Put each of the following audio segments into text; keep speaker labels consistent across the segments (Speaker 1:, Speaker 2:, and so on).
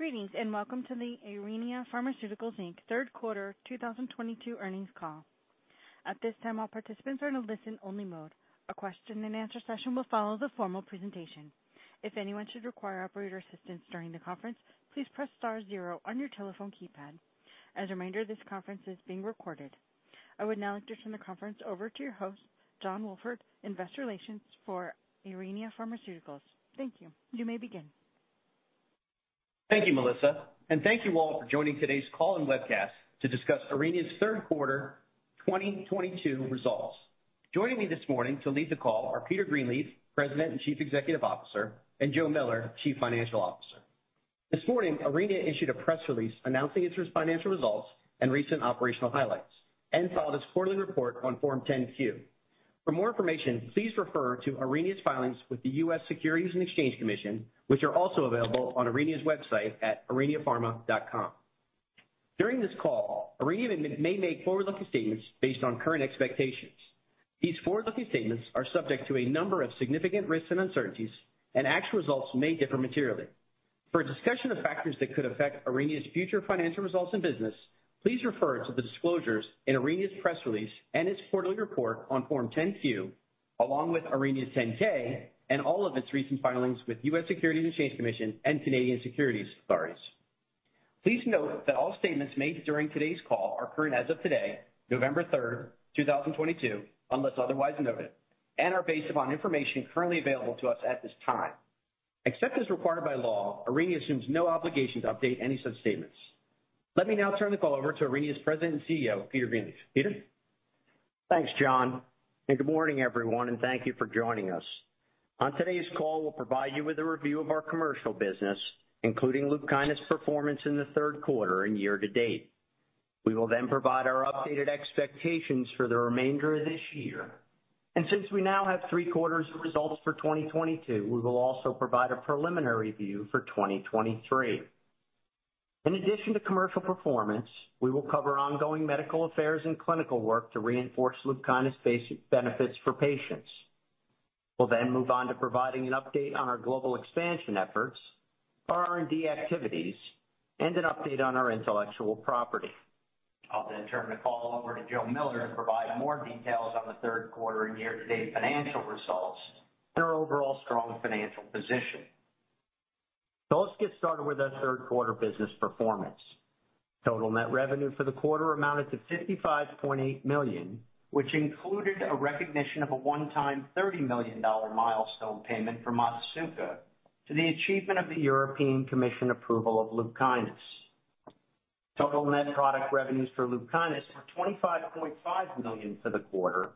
Speaker 1: Greetings, and welcome to the Aurinia Pharmaceuticals Inc. Q3 2022 earnings call. At this time, all participants are in a listen only mode. A question and answer session will follow the formal presentation. If anyone should require operator assistance during the conference, please press star zero on your telephone keypad. As a reminder, this conference is being recorded. I would now like to turn the conference over to your host, John Walford, Investor Relations for Aurinia Pharmaceuticals. Thank you. You may begin.
Speaker 2: Thank you, Melissa, and thank you all for joining today's call and webcast to discuss Aurinia's Q3 2022 results. Joining me this morning to lead the call are Peter Greenleaf, President and Chief Executive Officer, and Joe Miller, Chief Financial Officer. This morning, Aurinia issued a press release announcing its financial results and recent operational highlights and filed its quarterly report on Form 10-Q. For more information, please refer to Aurinia's filings with the U.S. Securities and Exchange Commission, which are also available on Aurinia's website at auriniapharma.com. During this call, Aurinia may make forward-looking statements based on current expectations. These forward-looking statements are subject to a number of significant risks and uncertainties, and actual results may differ materially. For a discussion of factors that could affect Aurinia's future financial results and business, please refer to the disclosures in Aurinia's press release and its quarterly report on Form 10-Q along with Aurinia's 10-K and all of its recent filings with U.S. Securities and Exchange Commission and Canadian Securities Administrators. Please note that all statements made during today's call are current as of today, November 3rd, 2022, unless otherwise noted, and are based upon information currently available to us at this time. Except as required by law, Aurinia assumes no obligation to update any such statements. Let me now turn the call over to Aurinia's President and CEO, Peter Greenleaf. Peter.
Speaker 3: Thanks, John, and good morning, everyone, and thank you for joining us. On today's call, we'll provide you with a review of our commercial business, including LUPKYNIS performance in the Q3 and year to date. We will then provide our updated expectations for the remainder of this year. Since we now have three quarters of results for 2022, we will also provide a preliminary view for 2023. In addition to commercial performance, we will cover ongoing medical affairs and clinical work to reinforce LUPKYNIS basic benefits for patients. We'll then move on to providing an update on our global expansion efforts, our R&D activities, and an update on our intellectual property. I'll then turn the call over to Joe Miller to provide more details on the Q3 and year-to-date financial results and our overall strong financial position. Let's get started with our Q3 business performance. Total net revenue for the quarter amounted to $55.8 million, which included a recognition of a one-time $30 million milestone payment from Otsuka to the achievement of the European Commission approval of LUPKYNIS. Total net product revenues for LUPKYNIS were $25.5 million for the quarter,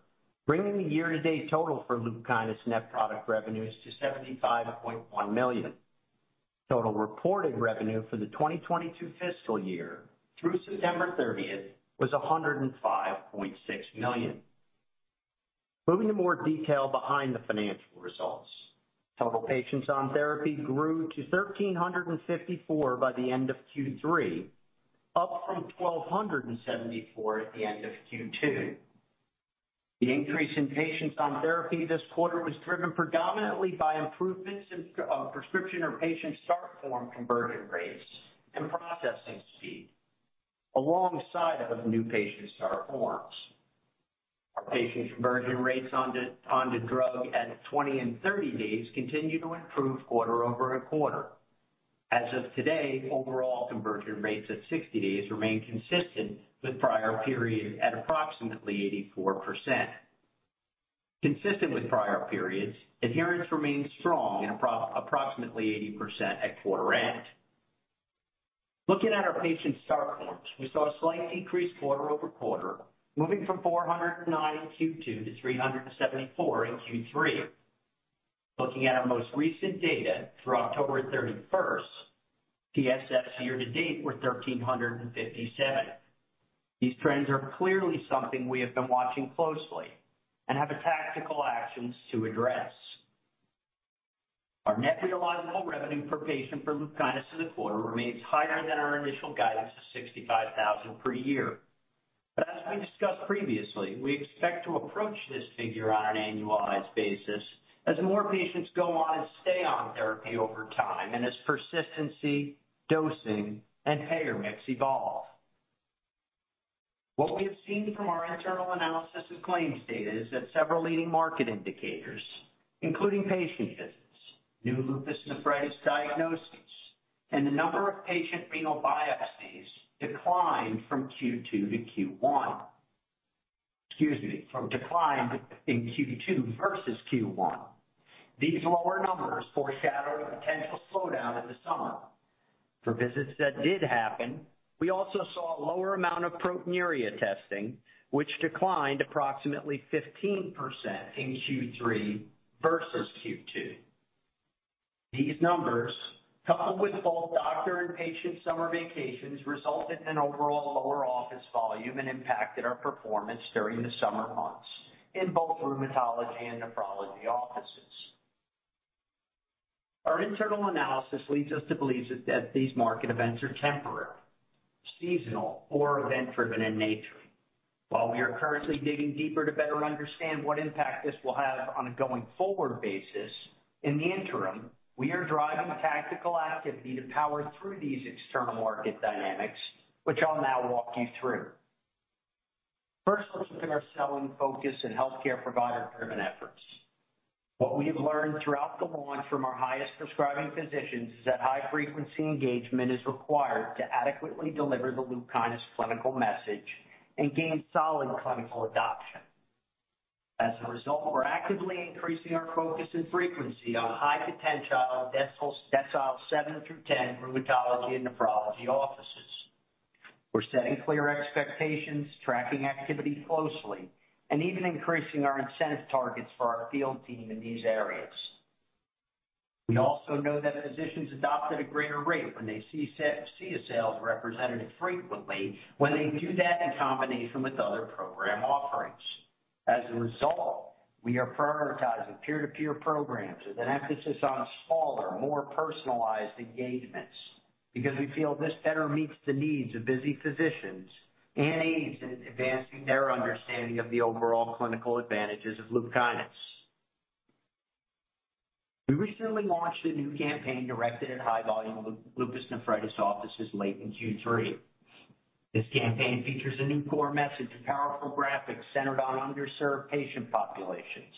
Speaker 3: bringing the year-to-date total for LUPKYNIS net product revenues to $75.1 million. Total reported revenue for the 2022 fiscal year through September 30thth was $105.6 million. Moving to more detail behind the financial results. Total patients on therapy grew to 1,354 by the end of Q3, up from 1,274 at the end of Q2. The increase in patients on therapy this quarter was driven predominantly by improvements in prescription or patient start form conversion rates and processing speed alongside of new patient start forms. Our patient conversion rates onto drug at 20 and 30 days continue to improve quarter-over-quarter. As of today, overall conversion rates at 60 days remain consistent with prior periods at approximately 84%. Consistent with prior periods, adherence remains strong at approximately 80% at quarter end. Looking at our patient start forms, we saw a slight decrease quarter-over-quarter, moving from 409 in Q2 to 374 in Q3. Looking at our most recent data through October 31st, PSF year to date were 1,357. These trends are clearly something we have been watching closely and have tactical actions to address. Our net realizable revenue per patient for LUPKYNIS in the quarter remains higher than our initial guidance of $65,000 per year. As we discussed previously, we expect to approach this figure on an annualized basis as more patients go on and stay on therapy over time and as persistency, dosing and payer mix evolve. What we have seen from our internal analysis of claims data is that several leading market indicators, including patient visits, new lupus nephritis diagnostics, and the number of patient renal biopsies, declined in Q2 versus Q1. These lower numbers foreshadow a potential slowdown in the summer. For visits that did happen, we also saw a lower amount of proteinuria testing, which declined approximately 15% in Q3 versus Q2. These numbers, coupled with both doctor and patient summer vacations, resulted in overall lower office volume and impacted our performance during the summer months in both rheumatology and nephrology offices. Our internal analysis leads us to believe that these market events are temporary. Seasonal or event-driven in nature. While we are currently digging deeper to better understand what impact this will have on a going-forward basis, in the interim, we are driving tactical activity to power through these external market dynamics, which I'll now walk you through. First, let's look at our selling focus and healthcare provider-driven efforts. What we have learned throughout the launch from our highest prescribing physicians is that high-frequency engagement is required to adequately deliver the LUPKYNIS clinical message and gain solid clinical adoption. As a result, we're actively increasing our focus and frequency on high-potential decile 7 through 10 rheumatology and nephrology offices. We're setting clear expectations, tracking activity closely, and even increasing our incentive targets for our field team in these areas. We also know that physicians adopt at a greater rate when they see a sales representative frequently when they do that in combination with other program offerings. As a result, we are prioritizing peer-to-peer programs with an emphasis on smaller, more personalized engagements because we feel this better meets the needs of busy physicians and aids in advancing their understanding of the overall clinical advantages of LUPKYNIS. We recently launched a new campaign directed at high-volume lupus nephritis offices late in Q3. This campaign features a new core message and powerful graphics centered on underserved patient populations.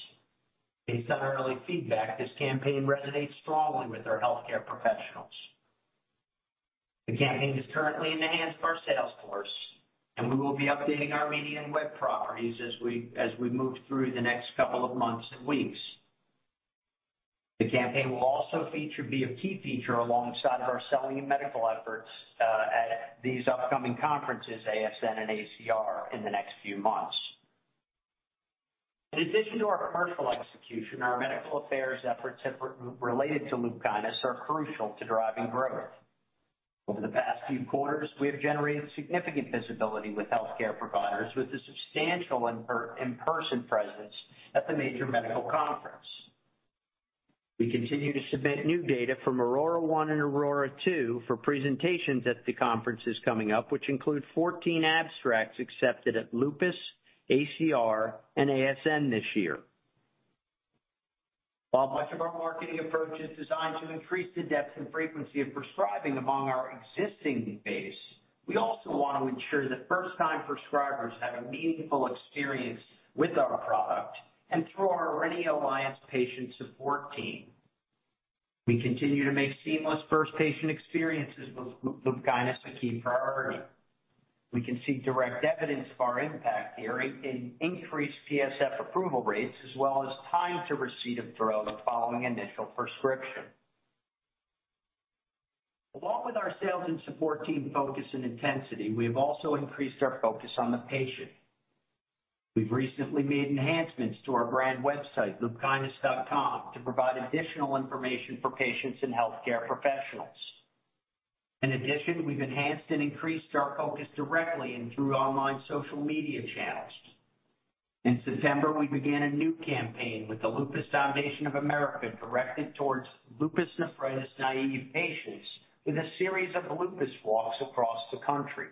Speaker 3: Based on early feedback, this campaign resonates strongly with our healthcare professionals. The campaign is currently in the hands of our sales force, and we will be updating our media and web properties as we move through the next couple of months and weeks. The campaign will also be a key feature alongside our selling and medical efforts at these upcoming conferences, ASN and ACR, in the next few months. In addition to our commercial execution, our medical affairs efforts related to LUPKYNIS are crucial to driving growth. Over the past few quarters, we have generated significant visibility with healthcare providers with a substantial in-person presence at the major medical conference. We continue to submit new data from AURORA 1 and AURORA 2 for presentations at the conferences coming up, which include 14 abstracts accepted at lupus, ACR, and ASN this year. While much of our marketing approach is designed to increase the depth and frequency of prescribing among our existing base, we also want to ensure that first-time prescribers have a meaningful experience with our product and through our Aurinia Alliance patient support team. We continue to make seamless first patient experiences with LUPKYNIS a key priority. We can see direct evidence of our impact here in increased PSF approval rates as well as time to receipt of PA following initial prescription. Along with our sales and support team focus and intensity, we have also increased our focus on the patient. We've recently made enhancements to our brand website, LUPKYNIS.com, to provide additional information for patients and healthcare professionals. In addition, we've enhanced and increased our focus directly and through online social media channels. In September, we began a new campaign with the Lupus Foundation of America directed towards lupus nephritis-naive patients with a series of lupus walks across the country.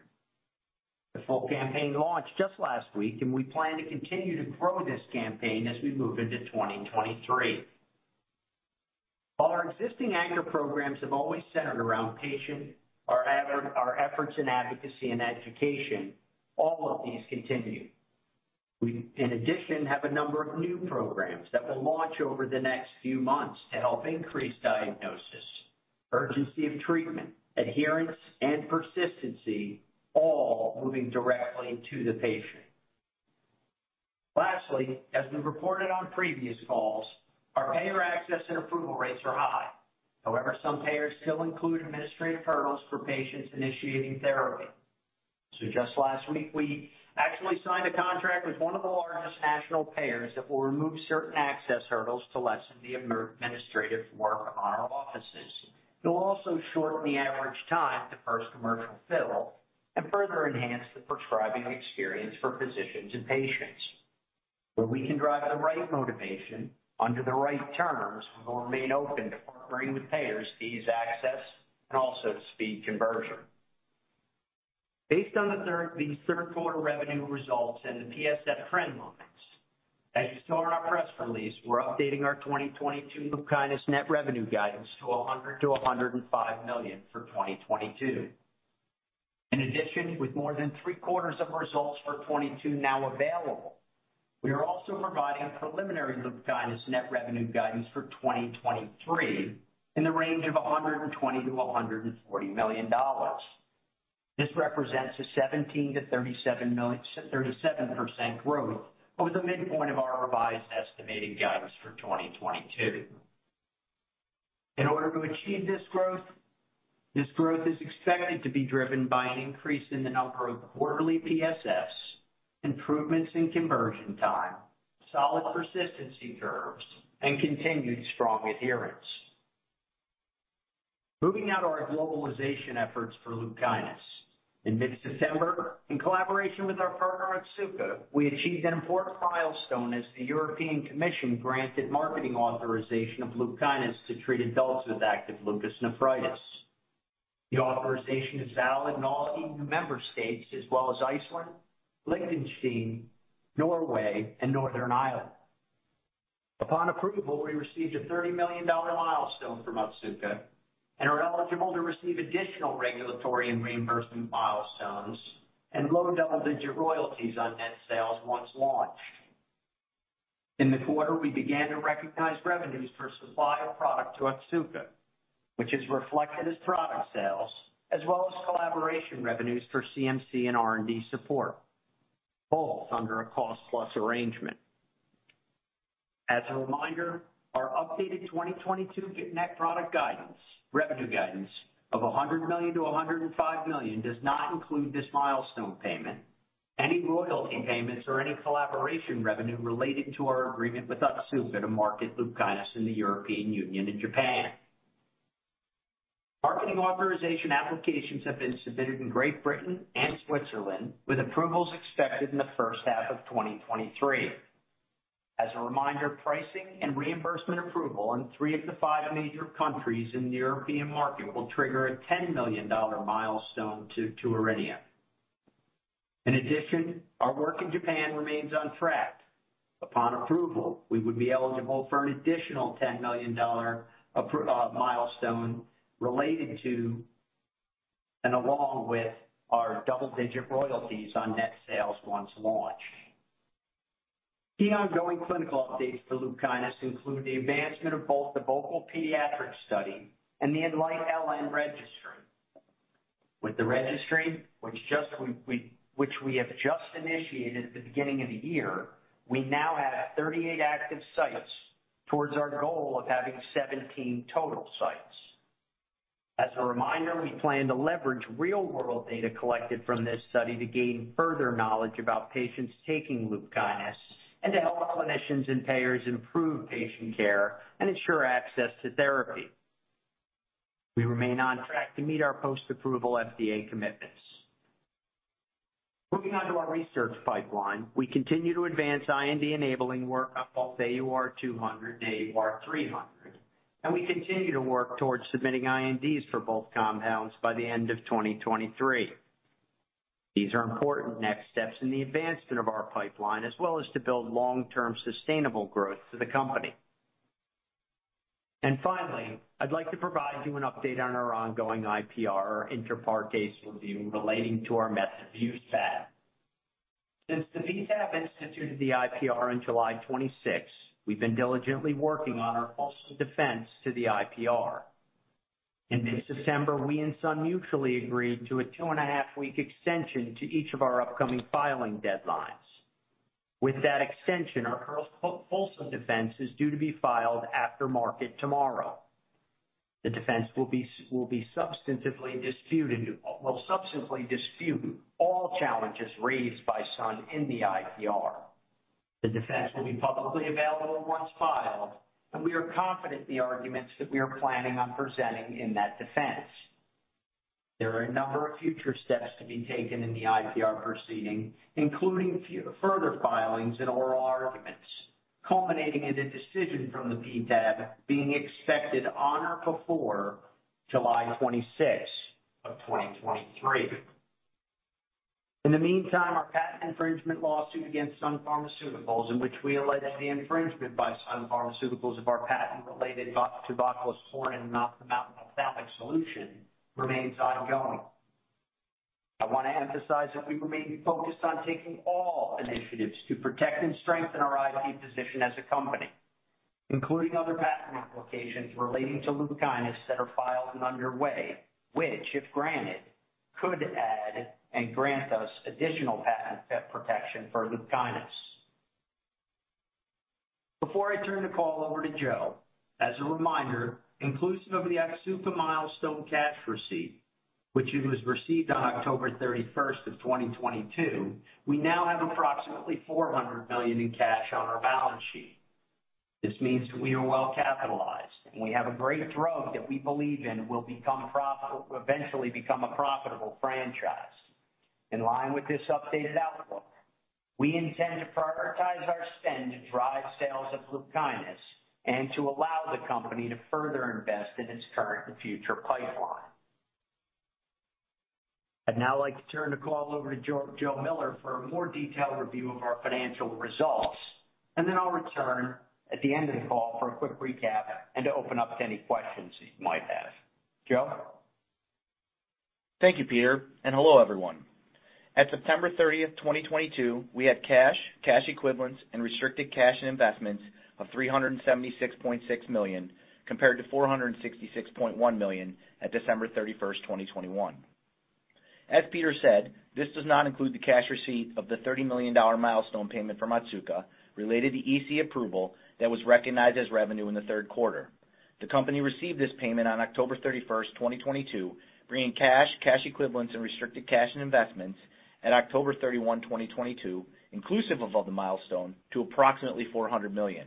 Speaker 3: The full campaign launched just last week, and we plan to continue to grow this campaign as we move into 2023. While our existing anchor programs have always centered around patient, our efforts in advocacy and education, all of these continue. We, in addition, have a number of new programs that will launch over the next few months to help increase diagnosis, urgency of treatment, adherence, and persistency, all moving directly to the patient. Lastly, as we've reported on previous calls, our payer access and approval rates are high. However, some payers still include administrative hurdles for patients initiating therapy. Just last week, we actually signed a contract with one of the largest national payers that will remove certain access hurdles to lessen the administrative work on our offices. It will also shorten the average time to first commercial fill and further enhance the prescribing experience for physicians and patients. Where we can drive the right motivation under the right terms, we will remain open to partnering with payers to ease access and also to speed conversion. Based on the Q3 revenue results and the PSF trend moments, as you saw in our press release, we're updating our 2022 LUPKYNIS net revenue guidance to $100-$105 million for 2022. In addition, with more than three-quarters of results for 2022 now available, we are also providing preliminary LUPKYNIS net revenue guidance for 2023 in the range of $120 million-$140 million. This represents a 17%-37% growth over the midpoint of our revised estimated guidance for 2022. In order to achieve this growth, this growth is expected to be driven by an increase in the number of quarterly PSFs, improvements in conversion time, solid persistency curves, and continued strong adherence. Moving now to our globalization efforts for LUPKYNIS. In mid-December, in collaboration with our partner, Otsuka, we achieved an important milestone as the European Commission granted marketing authorization of LUPKYNIS to treat adults with active lupus nephritis. The authorization is valid in all EU member states as well as Iceland, Liechtenstein, Norway, and Northern Ireland. Upon approval, we received a $30 million milestone from Otsuka and are eligible to receive additional regulatory and reimbursement milestones and low double-digit royalties on net sales once launched. In the quarter, we began to recognize revenues for supply of product to Otsuka, which is reflected as product sales as well as collaboration revenues for CMC and R&D support, both under a cost-plus arrangement. As a reminder, our updated 2022 net product guidance, revenue guidance of $100 million-$105 million does not include this milestone payment, any royalty payments or any collaboration revenue relating to our agreement with Otsuka to market LUPKYNIS in the European Union and Japan. Marketing authorization applications have been submitted in Great Britain and Switzerland, with approvals expected in the H1 of 2023. As a reminder, pricing and reimbursement approval in three of the five major countries in the European market will trigger a $10 million milestone to Aurinia. In addition, our work in Japan remains on track. Upon approval, we would be eligible for an additional $10 million milestone related to and along with our double-digit royalties on net sales once launched. Key ongoing clinical updates to LUPKYNIS include the advancement of both the VOCAL pediatric study and the ENLIGHT-LN registry. With the registry, which we have just initiated at the beginning of the year, we now have 38 active sites towards our goal of having 17 total sites. As a reminder, we plan to leverage real-world data collected from this study to gain further knowledge about patients taking LUPKYNIS and to help clinicians and payers improve patient care and ensure access to therapy. We remain on track to meet our post-approval FDA commitments. Moving on to our research pipeline. We continue to advance IND-enabling work on both AUR200 and AUR300, and we continue to work towards submitting INDs for both compounds by the end of 2023. These are important next steps in the advancement of our pipeline as well as to build long-term sustainable growth to the company. Finally, I'd like to provide you an update on our ongoing IPR, Inter Partes Review, relating to our method of use patent. Since the PTAB instituted the IPR on July 26th, we've been diligently working on our Patent Owner Response to the IPR. In mid-September, we and Sun mutually agreed to a 2.5-week extension to each of our upcoming filing deadlines. With that extension, our Patent Owner Response is due to be filed after market tomorrow. The defense will be substantively disputed will substantively dispute all challenges raised by Sun in the IPR. The defense will be publicly available once filed, and we are confident in the arguments that we are planning on presenting in that defense. There are a number of future steps to be taken in the IPR proceeding, including further filings and oral arguments, culminating in a decision from the PTAB being expected on or before July 26th of 2023. In the meantime, our patent infringement lawsuit against Sun Pharmaceuticals, in which we alleged the infringement by Sun Pharmaceuticals of our patent related to voclosporin ophthalmic solution remains ongoing. I wanna emphasize that we remain focused on taking all initiatives to protect and strengthen our IP position as a company, including other patent applications relating to LUPKYNIS that are filed and underway, which, if granted, could add and grant us additional patent protection for LUPKYNIS. Before I turn the call over to Joe, as a reminder, inclusive of the Otsuka milestone cash receipt, which it was received on October 31st, 2022, we now have approximately $400 million in cash on our balance sheet. This means we are well capitalized, and we have a great drug that we believe in will become profitable, eventually become a profitable franchise. In line with this updated outlook, we intend to prioritize our spend to drive sales of LUPKYNIS and to allow the company to further invest in its current and future pipeline. I'd now like to turn the call over to Joe Miller for a more detailed review of our financial results, and then I'll return at the end of the call for a quick recap and to open up to any questions you might have. Joe?
Speaker 4: Thank you, Peter, and hello, everyone. At September 30thth, 2022, we had cash equivalents and restricted cash and investments of $376.6 million, compared to $466.1 million at December 31st, 2021. As Peter said, this does not include the cash receipt of the $30 million milestone payment from Otsuka related to EC approval that was recognized as revenue in the Q3. The company received this payment on October 31st, 2022, bringing cash equivalents and restricted cash and investments at October 31, 2022, inclusive of all the milestone, to approximately $400 million.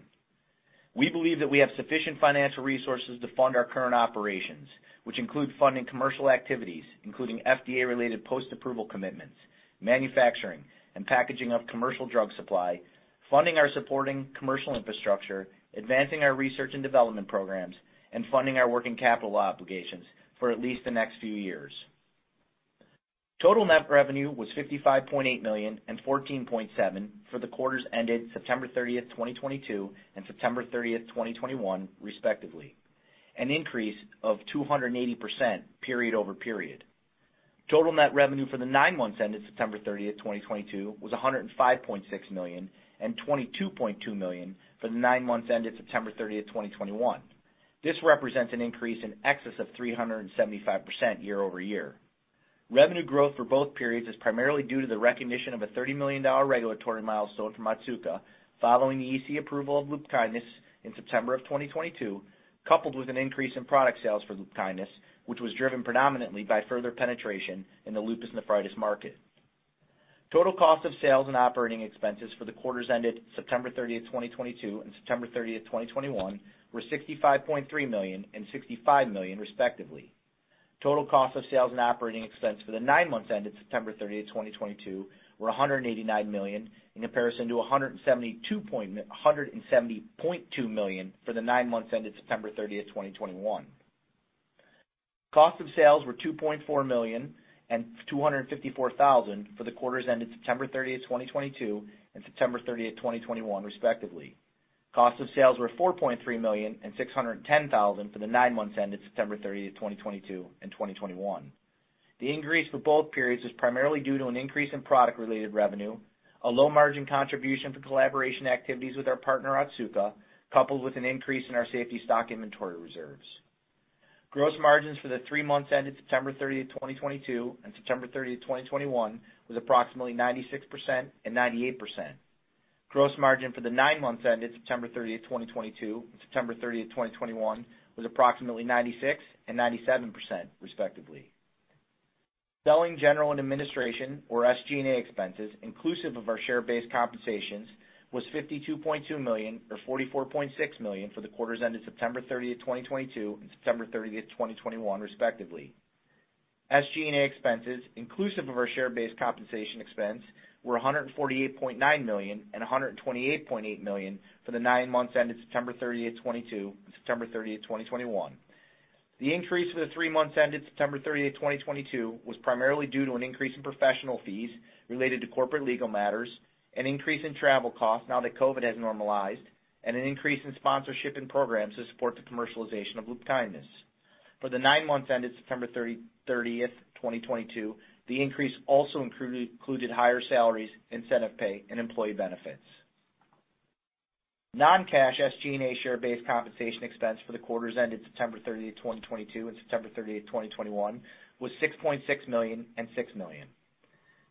Speaker 4: We believe that we have sufficient financial resources to fund our current operations, which include funding commercial activities, including FDA-related post-approval commitments, manufacturing and packaging of commercial drug supply, funding our supporting commercial infrastructure, advancing our research and development programs, and funding our working capital obligations for at least the next few years. Total net revenue was $55.8 million and $14.7 million for the quarters ended September 30thth, 2022 and September 30thth, 2021, respectively, an increase of 280% period-over-period. Total net revenue for the nine months ended September 30th, 2022 was $105.6 million and $22.2 million for the nine months ended September 30th, 2021. This represents an increase in excess of 375% year-over-year. Revenue growth for both periods is primarily due to the recognition of a $30 million regulatory milestone from Otsuka following the EC approval of LUPKYNIS in September 2022, coupled with an increase in product sales for LUPKYNIS, which was driven predominantly by further penetration in the lupus nephritis market. Total cost of sales and operating expenses for the quarters ended September 30thth, 2022 and September 30thth, 2021 were $65.3 million and $65 million respectively. Total cost of sales and operating expense for the nine months ended September 30thth, 2022 were $189 million in comparison to $170.2 million for the nine months ended September 30thth, 2021. Cost of sales were $2.4 million and $254,000 for the quarters ended September 30thth, 2022 and September 30thth, 2021 respectively. Cost of sales were $4.3 million and $610,000 for the nine months ended September 30thth, 2022 and 2021. The increase for both periods is primarily due to an increase in product related revenue, a low margin contribution for collaboration activities with our partner, Otsuka, coupled with an increase in our safety stock inventory reserves. Gross margins for the three months ended September 30th, 2022 and September 30thth, 2021 was approximately 96% and 98%. Gross margin for the nine months ended September 30th, 2022 and September 30th, 2021 was approximately 96% and 97%, respectively. Selling, general and administration or SG&A expenses inclusive of our share-based compensations was $52.2 million or $44.6 million for the quarters ended September 30thth, 2022 and September 30thth, 2021 respectively. SG&A expenses inclusive of our share-based compensation expense were $148.9 million and $128.8 million for the nine months ended September 30thth, 2022 and September 30thth, 2021. The increase for the three months ended September 30thth, 2022 was primarily due to an increase in professional fees related to corporate legal matters, an increase in travel costs now that COVID has normalized, and an increase in sponsorship and programs to support the commercialization of LUPKYNIS. For the nine months ended September 30thth, 2022, the increase also included higher salaries, incentive pay and employee benefits. Non-cash SG&A share-based compensation expense for the quarters ended September 30th, 2022 and September 30th, 2021 was $6.6 million and $6 million.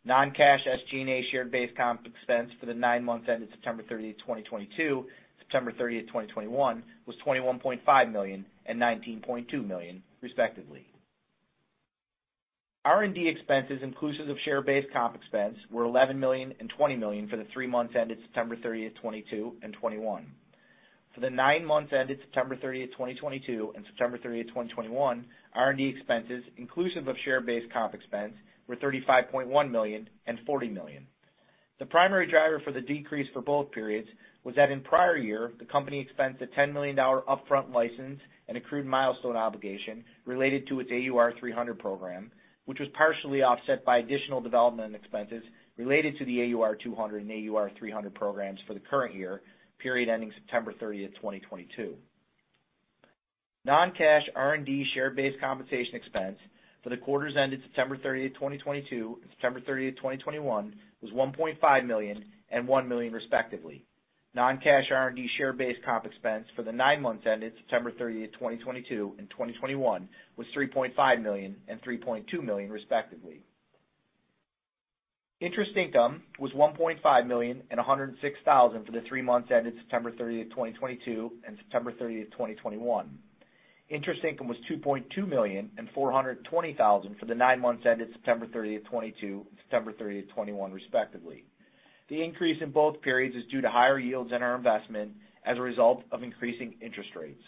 Speaker 4: Non-cash SG&A share-based comp expense for the nine months ended September 30th, 2022, September 30th, 2021 was $21.5 million and $19.2 million, respectively. R&D expenses inclusive of share-based comp expense were $11 million and $20 million for the three months ended September 30th, 2022 and 2021. For the nine months ended September 30th, 2022 and September 30th, 2021, R&D expenses inclusive of share-based comp expense were $35.1 million and $40 million. The primary driver for the decrease for both periods was that in prior year the company expensed a $10 million upfront license and accrued milestone obligation related to its AUR300 program, which was partially offset by additional development expenses related to the AUR200 and AUR300 programs for the current year period ending September 30th, 2022. Non-cash R&D share-based compensation expense for the quarters ended September 30th, 2022 and September 30th, 2021 was $1.5 million and $1 million respectively. Non-cash R&D share-based comp expense for the nine months ended September 30th, 2022 and 2021 was $3.5 million and $3.2 million, respectively. Interest income was $1.5 million and $106,000 for the three months ended September 30th, 2022 and September 30th, 2021. Interest income was $2.2 million and $420,000 for the nine months ended September 30th, 2022 and September 30th, 2021 respectively. The increase in both periods is due to higher yields in our investment as a result of increasing interest rates.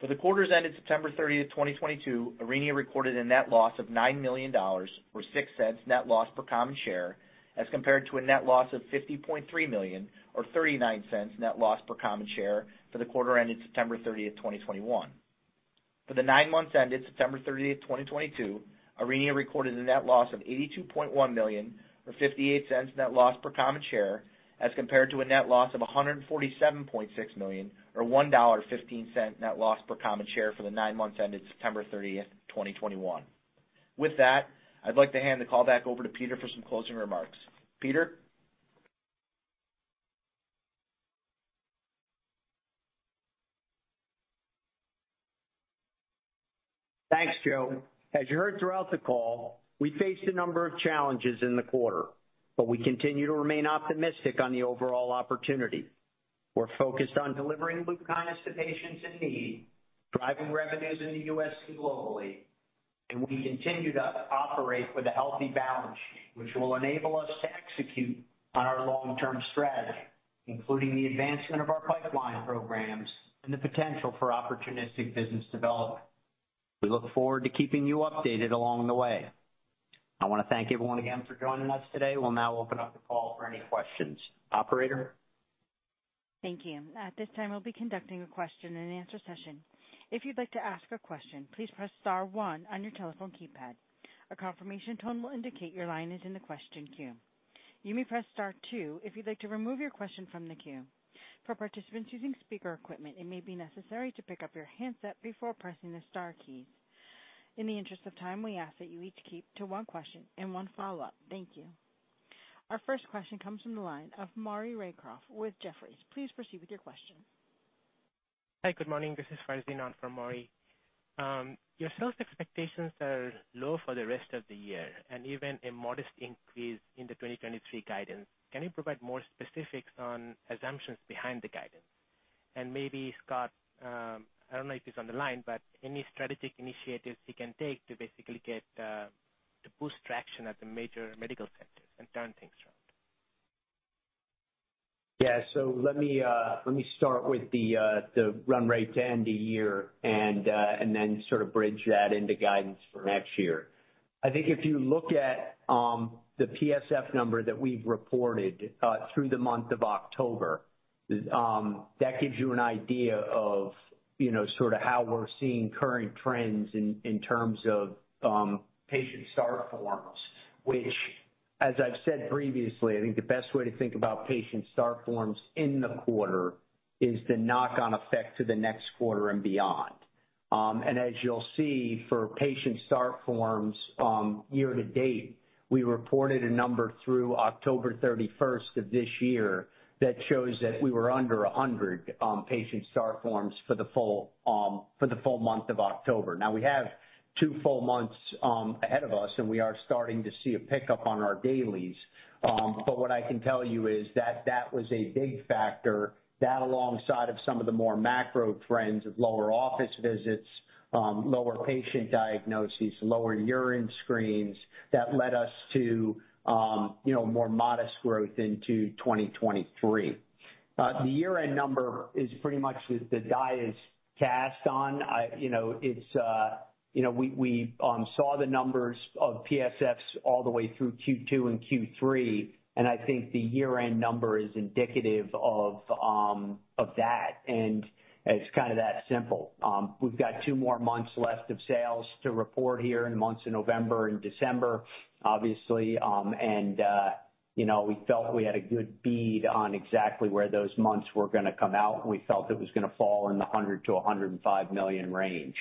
Speaker 4: For the quarters ended September 30th, 2022, Aurinia recorded a net loss of $9 million or $0.06 net loss per common share as compared to a net loss of $50.3 million or $0.39 net loss per common share for the quarter ended September 30th, 2021. For the nine months ended September 30th, 2022, Aurinia recorded a net loss of $82.1 million or $0.58 net loss per common share as compared to a net loss of $147.6 million or $1.15 net loss per common share for the nine months ended September 30th, 2021. With that, I'd like to hand the call back over to Peter for some closing remarks. Peter?
Speaker 3: Thanks, Joe. As you heard throughout the call, we faced a number of challenges in the quarter, but we continue to remain optimistic on the overall opportunity. We're focused on delivering LUPKYNIS to patients in need, driving revenues in the U.S. and globally, and we continue to operate with a healthy balance sheet, which will enable us to execute on our long-term strategy. Including the advancement of our pipeline programs and the potential for opportunistic business development. We look forward to keeping you updated along the way. I wanna thank everyone again for joining us today. We'll now open up the call for any questions. Operator?
Speaker 1: Thank you. At this time, we'll be conducting a question and answer session. If you'd like to ask a question, please press star one on your telephone keypad. A confirmation tone will indicate your line is in the question queue. You may press star two if you'd like to remove your question from the queue. For participants using speaker equipment, it may be necessary to pick up your handset before pressing the star keys. In the interest of time, we ask that you each keep to one question and one follow-up. Thank you. Our first question comes from the line of Maury Raycroft with Jefferies. Please proceed with your question.
Speaker 5: Hi, good morning. This is Farzin on for Maury Raycroft. Your sales expectations are low for the rest of the year and even a modest increase in the 2023 guidance. Can you provide more specifics on assumptions behind the guidance? Maybe Scott, I don't know if he's on the line, but any strategic initiatives he can take to basically get to boost traction at the major medical centers and turn things around?
Speaker 3: Yeah. Let me start with the run rate to end the year and then sort of bridge that into guidance for next year. I think if you look at the PSF number that we've reported through the month of October, that gives you an idea of, you know, sort of how we're seeing current trends in terms of patient start forms. Which, as I've said previously, I think the best way to think about patient start forms in the quarter is the knock-on effect to the next quarter and beyond. As you'll see for patient start forms, year to date, we reported a number through October 31st of this year that shows that we were under 100 patient start forms for the full month of October. Now, we have two full months ahead of us, and we are starting to see a pickup on our dailies. What I can tell you is that that was a big factor. That alongside of some of the more macro trends of lower office visits, lower patient diagnoses, lower urine screens, that led us to you know, more modest growth into 2023. The year-end number is pretty much the die is cast on. You know, it's you know, we saw the numbers of PSFs all the way through Q2 and Q3, and I think the year-end number is indicative of that, and it's kinda that simple. We've got two more months left of sales to report here in the months of November and December, obviously, and, you know, we felt we had a good bead on exactly where those months were gonna come out, and we felt it was gonna fall in the $100 million-$105 million range.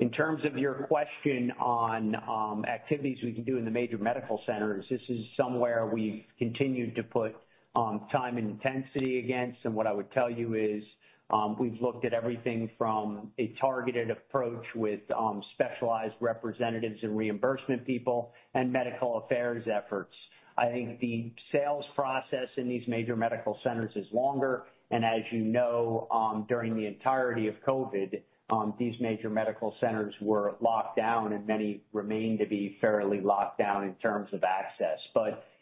Speaker 3: In terms of your question on activities we can do in the major medical centers, this is somewhere we've continued to put time and intensity against. What I would tell you is, we've looked at everything from a targeted approach with specialized representatives and reimbursement people and medical affairs efforts. I think the sales process in these major medical centers is longer, and as you know, during the entirety of COVID, these major medical centers were locked down and many remain to be fairly locked down in terms of access.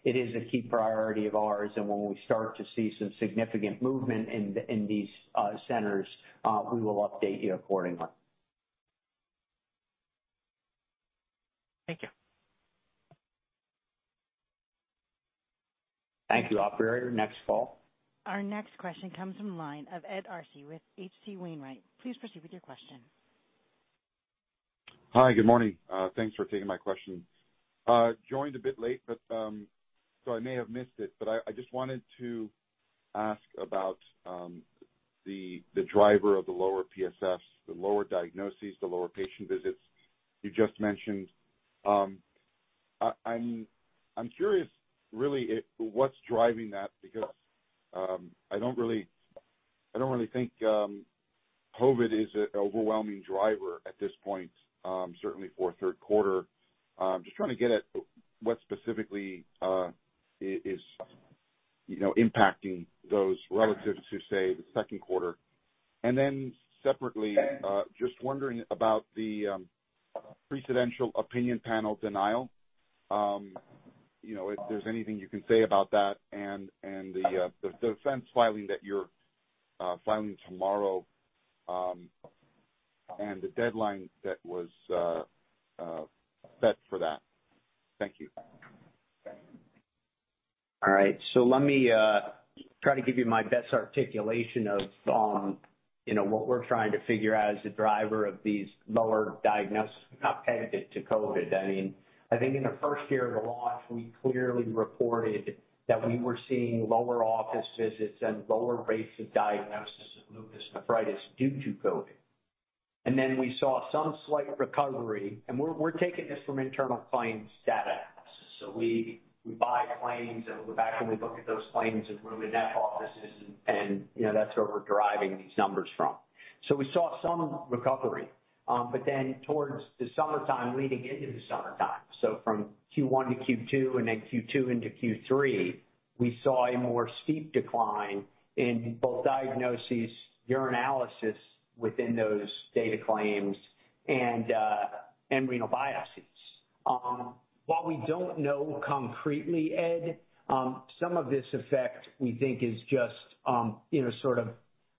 Speaker 3: It is a key priority of ours, and when we start to see some significant movement in these centers, we will update you accordingly.
Speaker 5: Thank you.
Speaker 3: Thank you. Operator, next call.
Speaker 1: Our next question comes from the line of Ed Arce with H.C. Wainwright. Please proceed with your question.
Speaker 6: Hi, good morning. Thanks for taking my question. Joined a bit late, but I may have missed it. I just wanted to ask about the driver of the lower PSFs, the lower diagnoses, the lower patient visits you just mentioned. I'm curious really at what's driving that because I don't really think COVID is an overwhelming driver at this point, certainly for Q3. Just trying to get at what specifically is you know impacting those relative to say the Q2. Separately, just wondering about the Precedential Opinion Panel denial. You know, if there's anything you can say about that and the defense filing that you're filing tomorrow, and the deadline that was set for that. Thank you.
Speaker 3: All right. Let me try to give you my best articulation of, you know, what we're trying to figure out as a driver of these lower diagnosis, not pegged to COVID. I mean, I think in the first year of the launch, we clearly reported that we were seeing lower office visits and lower rates of diagnosis of lupus nephritis due to COVID. Then we saw some slight recovery. We're taking this from internal claims data. We buy claims and we go back and we look at those claims as we're in that offices and, you know, that's where we're deriving these numbers from. We saw some recovery, but then towards the summertime leading into the summertime, so from Q1 to Q2 and then Q2 into Q3, we saw a more steep decline in both diagnoses, urinalysis within those data claims and renal biopsies. What we don't know concretely, Ed, some of this effect we think is just, you know, sort of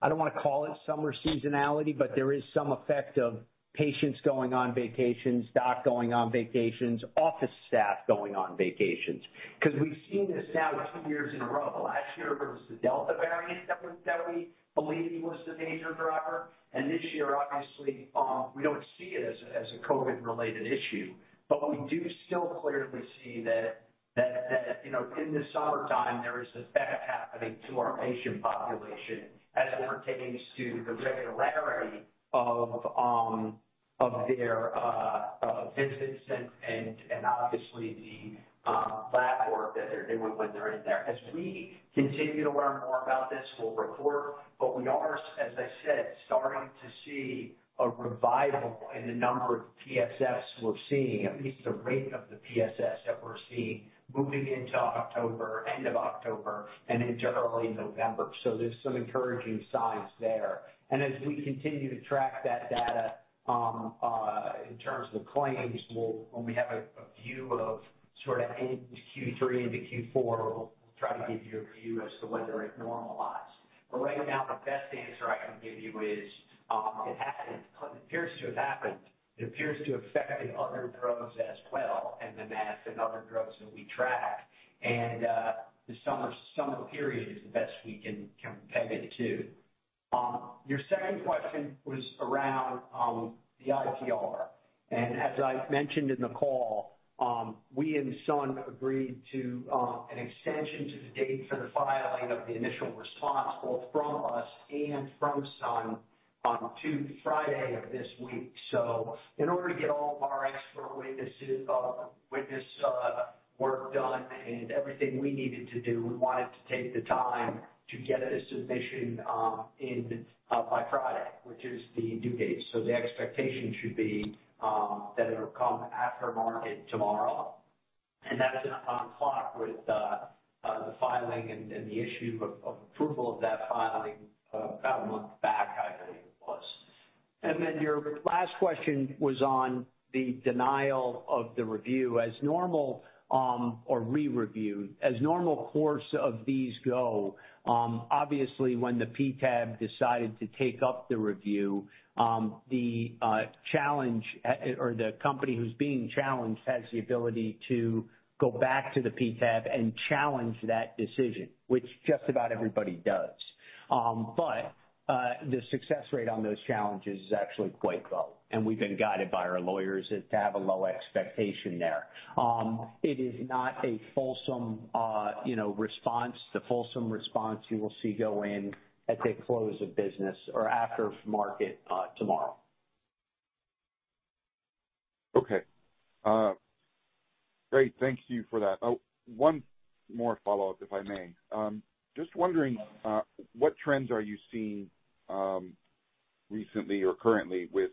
Speaker 3: I don't wanna call it summer seasonality, but there is some effect of patients going on vacations, doc going on vacations, office staff going on vacations. 'Cause we've seen this now two years in a row. Last year it was the Delta variant that we believe was the major driver. This year, obviously, we don't see it as a COVID-related issue. We do still clearly see that you know in the summertime there is effect happening to our patient population as it pertains to the regularity of their visits and obviously the lab work that they're doing when they're in there. As we continue to learn more about this, we'll report, but we are, as I said, starting to see a revival in the number of PSFs we're seeing, at least the rate of the PSFs that we're seeing moving into October, end of October, and into early November. There's some encouraging signs there. As we continue to track that data in terms of claims, we'll, when we have a view of sort of into Q3 into Q4, we'll try to give you a view as to whether it normalized. Right now the best answer I can give you is, it happened. It appears to have affected other drugs as well, Enbrel and other drugs that we track. The summer period is the best we can peg it to. Your second question was around the IPR. As I mentioned in the call, we and Sun agreed to an extension to the date for the filing of the initial response, both from us and from Sun, to Friday of this week. In order to get all of our expert witnesses' work done and everything we needed to do, we wanted to take the time to get a submission in by Friday, which is the due date. The expectation should be that it'll come after market tomorrow. That's on track with the filing and the issuance of approval of that filing about a month back, I believe it was. Your last question was on the denial of the re-review as normal. In the normal course of business, obviously when the PTAB decided to take up the review, the challenge or the company who's being challenged has the ability to go back to the PTAB and challenge that decision, which just about everybody does. The success rate on those challenges is actually quite low, and we've been guided by our lawyers to have a low expectation there. It is not a fulsome, you know, response. The fulsome response you will see go in at the close of business or after market tomorrow.
Speaker 6: Okay. Great. Thank you for that. Oh, one more follow-up, if I may. Just wondering, what trends are you seeing recently or currently with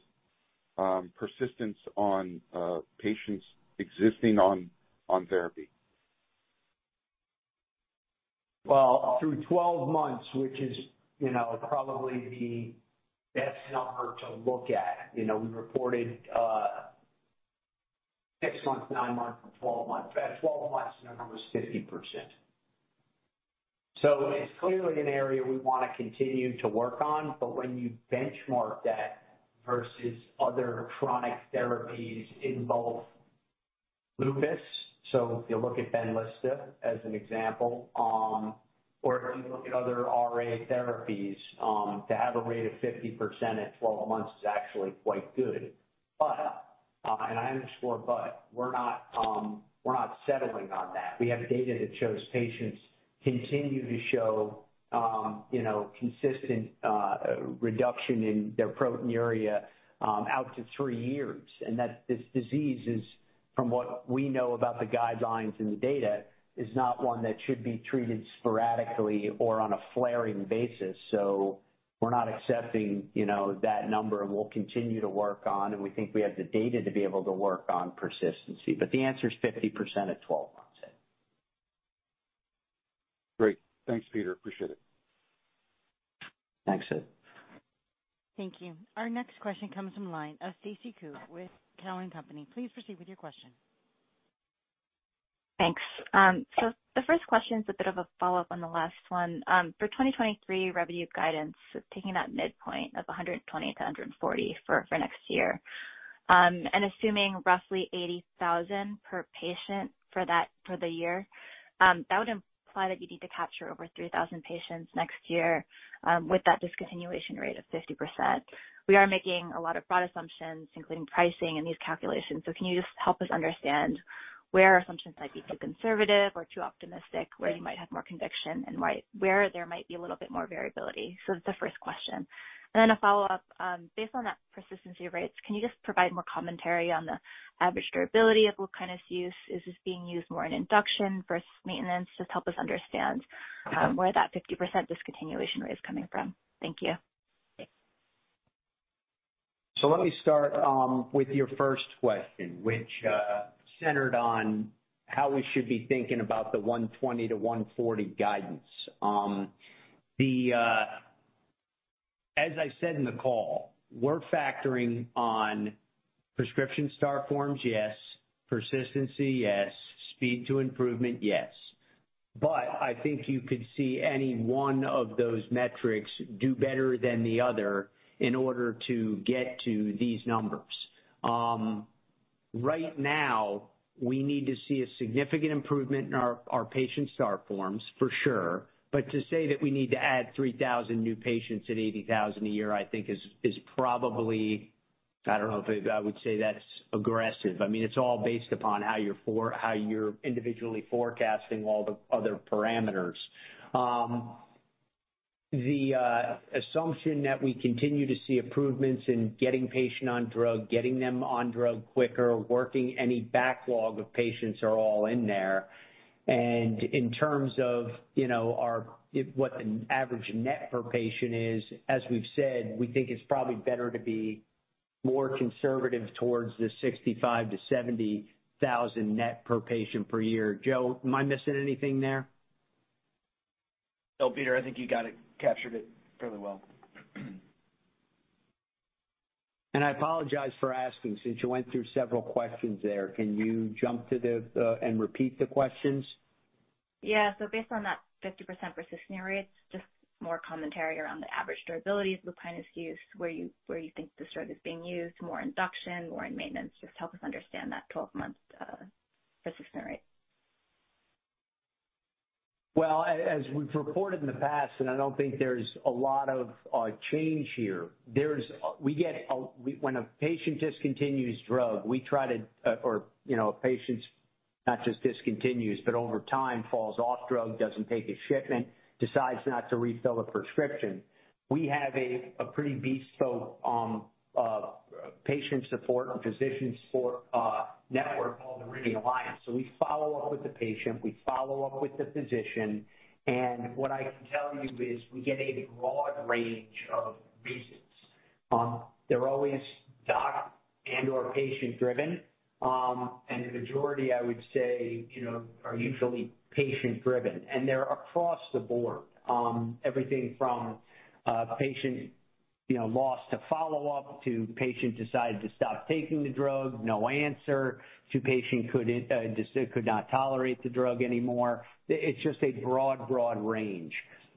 Speaker 6: persistence on patients existing on therapy?
Speaker 3: Well, through 12 months, which is, you know, probably the best number to look at, you know, we reported, six months, nine months and 12 months. That 12 months number was 50%. It's clearly an area we wanna continue to work on, but when you benchmark that versus other chronic therapies in both lupus, so if you look at Benlysta as an example, or if you look at other RA therapies, to have a rate of 50% at 12 months is actually quite good. But, and I underscore but, we're not settling on that. We have data that shows patients continue to show, you know, consistent, reduction in their proteinuria, out to three years. That this disease is, from what we know about the guidelines and the data, is not one that should be treated sporadically or on a flaring basis. We're not accepting, you know, that number, and we'll continue to work on and we think we have the data to be able to work on persistency. The answer is 50% at 12 months in.
Speaker 6: Great. Thanks, Peter. Appreciate it.
Speaker 3: Thanks, Ed.
Speaker 1: Thank you. Our next question comes from line of Stacy Ku with TD Cowen. Please proceed with your question.
Speaker 7: Thanks. The first question is a bit of a follow-up on the last one. For 2023 revenue guidance, taking that midpoint of $120-$140 for next year, and assuming roughly $80,000 per patient for the year, that would imply that you need to capture over 3,000 patients next year, with that discontinuation rate of 50%. We are making a lot of broad assumptions, including pricing in these calculations. Can you just help us understand where assumptions might be too conservative or too optimistic, where you might have more conviction, and why, where there might be a little bit more variability? That's the first question. Then a follow-up, based on that persistency rates, can you just provide more commentary on the average durability of LUPKYNIS use? Is this being used more in induction versus maintenance? Just help us understand.
Speaker 3: Okay.
Speaker 7: Where that 50% discontinuation rate is coming from. Thank you.
Speaker 3: Let me start with your first question, which centered on how we should be thinking about the $120-$140 guidance. As I said in the call, we're factoring in prescription start forms, yes. Persistency, yes. Speed to improvement, yes. But I think you could see any one of those metrics do better than the other in order to get to these numbers. Right now we need to see a significant improvement in our patient start forms for sure. But to say that we need to add 3,000 new patients at $80,000 a year, I think is probably. I don't know if I would say that's aggressive. I mean, it's all based upon how you're individually forecasting all the other parameters. The assumption that we continue to see improvements in getting patient on drug, getting them on drug quicker, working any backlog of patients are all in there. In terms of, you know, our, what the average net per patient is, as we've said, we think it's probably better to be more conservative towards the $65,000-$70,000 net per patient per year. Joe, am I missing anything there?
Speaker 4: No, Peter, I think you got it, captured it fairly well.
Speaker 3: I apologize for asking, since you went through several questions there, can you jump to and repeat the questions?
Speaker 7: Based on that 50% persistency rate, just more commentary around the average durability of LUPKYNIS use, where you think the drug is being used, more in induction, more in maintenance, just help us understand that 12-month persistency rate?
Speaker 3: As we've reported in the past, I don't think there's a lot of change here. When a patient discontinues drug, we try to, or you know, a patient not just discontinues, but over time falls off drug, doesn't take a shipment, decides not to refill a prescription. We have a pretty bespoke patient support, physician support network called Aurinia Alliance. We follow up with the patient, we follow up with the physician, and what I can tell you is we get a broad range of reasons. They're always doc and/or patient-driven. The majority, I would say, you know, are usually patient-driven. They're across the board, everything from patient, you know, lost to follow-up to patient decided to stop taking the drug, no answer, to patient could not tolerate the drug anymore. It's just a broad range.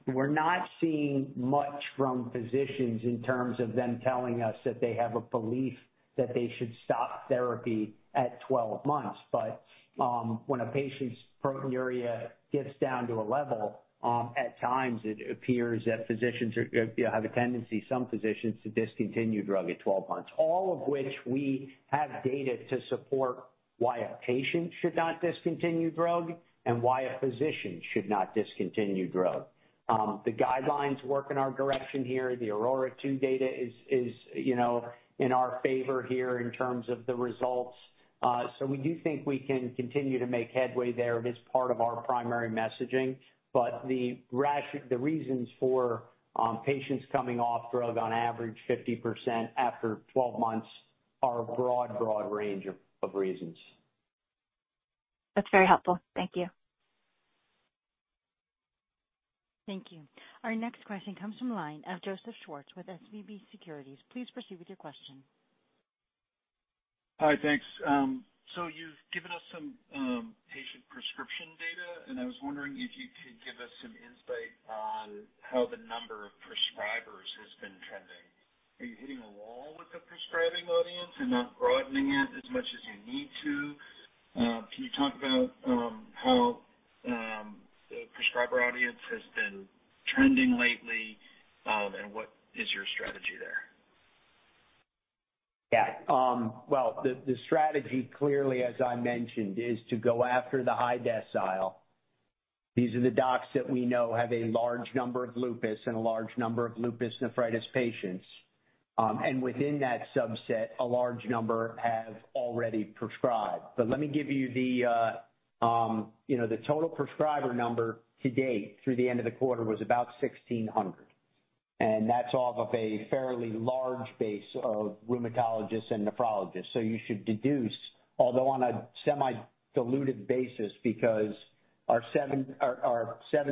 Speaker 3: We're not seeing much from physicians in terms of them telling us that they have a belief that they should stop therapy at 12 months. When a patient's proteinuria gets down to a level, at times it appears that physicians are, you know, have a tendency, some physicians to discontinue drug at 12 months. All of which we have data to support why a patient should not discontinue drug and why a physician should not discontinue drug. The guidelines work in our direction here. The AURORA 2 data is, you know, in our favor here in terms of the results. We do think we can continue to make headway there and it's part of our primary messaging. The reasons for patients coming off drug on average 50% after 12 months are a broad range of reasons.
Speaker 7: That's very helpful. Thank you.
Speaker 1: Thank you. Our next question comes from the line of Joseph Schwartz with SVB Securities. Please proceed with your question.
Speaker 8: Hi. Thanks. You've given us some patient prescription data, and I was wondering if you could give us some insight on how the number of prescribers has been trending. Are you hitting a wall with the prescribing audience and not broadening it as much as you need to? Can you talk about how the prescriber audience has been trending lately? What is your strategy there?
Speaker 3: Yeah. Well, the strategy clearly as I mentioned, is to go after the high decile. These are the docs that we know have a large number of lupus and a large number of lupus nephritis patients. Within that subset, a large number have already prescribed. Let me give you know, the total prescriber number to date through the end of the quarter was about 1,600, and that's off of a fairly large base of rheumatologists and nephrologists. You should deduce, although on a semi-diluted basis, because our seven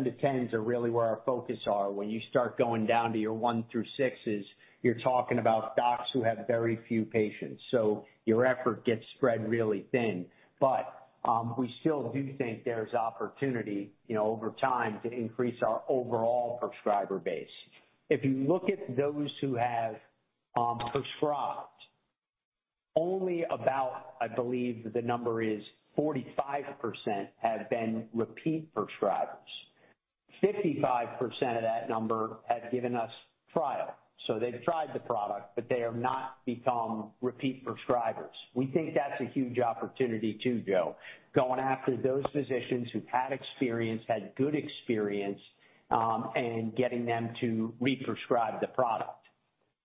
Speaker 3: to 10s are really where our focus are. When you start going down to your one through six's, you're talking about docs who have very few patients, so your effort gets spread really thin. We still do think there's opportunity, you know, over time to increase our overall prescriber base. If you look at those who have prescribed, only about, I believe the number is 45% have been repeat prescribers. 55% of that number have given us trial. They've tried the product, but they have not become repeat prescribers. We think that's a huge opportunity too, Joe. Going after those physicians who've had experience, had good experience, and getting them to re-prescribe the product.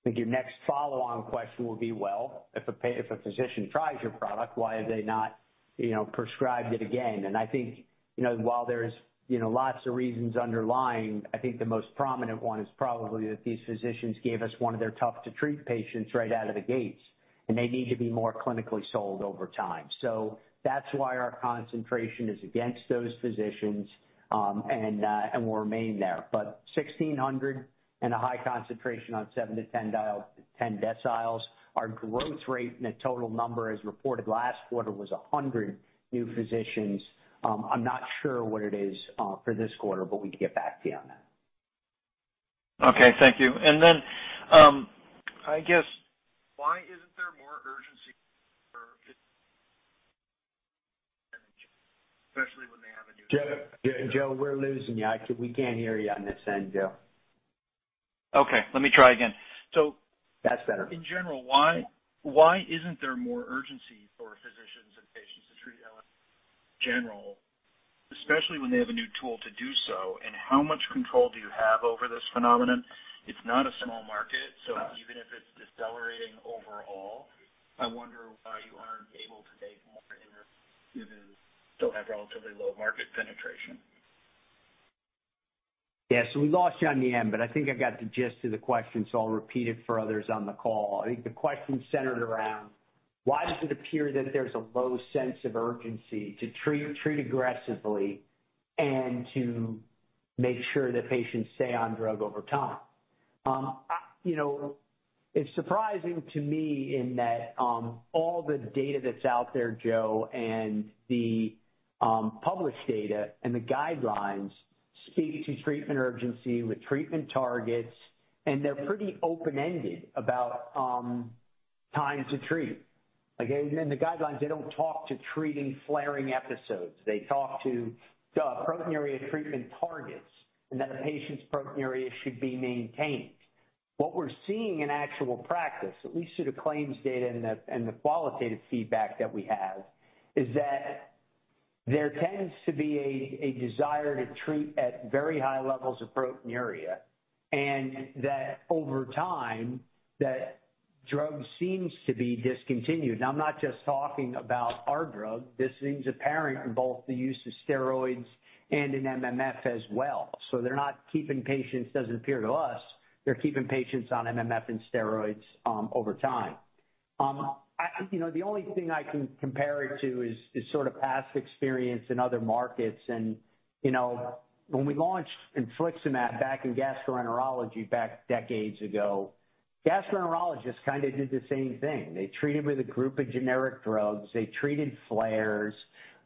Speaker 3: I think your next follow-on question will be, "Well, if a physician tries your product, why have they not, you know, prescribed it again?" I think, you know, while there's, you know, lots of reasons underlying, I think the most prominent one is probably that these physicians gave us one of their tough-to-treat patients right out of the gates. They need to be more clinically sold over time. That's why our concentration is against those physicians, and will remain there. 1,600 and a high concentration on 7-10 deciles. Our growth rate in a total number, as reported last quarter, was 100 new physicians. I'm not sure what it is for this quarter, but we can get back to you on that.
Speaker 8: Okay, thank you. I guess why isn't there more urgency for especially when they have a new?
Speaker 3: Joe, we're losing you. We can't hear you on this end, Joe.
Speaker 8: Okay, let me try again.
Speaker 3: That's better.
Speaker 8: In general, why isn't there more urgency for physicians and patients to treat LN in general, especially when they have a new tool to do so? How much control do you have over this phenomenon? It's not a small market, so even if it's decelerating overall, I wonder why you aren't able to take more initiative, still have relatively low market penetration.
Speaker 3: Yeah. We lost you on the end, but I think I got the gist of the question, so I'll repeat it for others on the call. I think the question centered around why does it appear that there's a low sense of urgency to treat aggressively and to make sure that patients stay on drug over time? You know, it's surprising to me in that all the data that's out there, Joe, and the published data and the guidelines speak to treatment urgency with treatment targets, and they're pretty open-ended about time to treat. Again, in the guidelines, they don't talk to treating flaring episodes. They talk to proteinuria treatment targets, and that a patient's proteinuria should be maintained. What we're seeing in actual practice, at least through the claims data and the qualitative feedback that we have, is that there tends to be a desire to treat at very high levels of proteinuria, and that over time, that drug seems to be discontinued. Now, I'm not just talking about our drug. This seems apparent in both the use of steroids and in MMF as well. It doesn't appear to us they're keeping patients on MMF and steroids over time. You know, the only thing I can compare it to is sort of past experience in other markets. You know, when we launched Infliximab back in gastroenterology back decades ago, gastroenterologists kind of did the same thing. They treated with a group of generic drugs. They treated flares.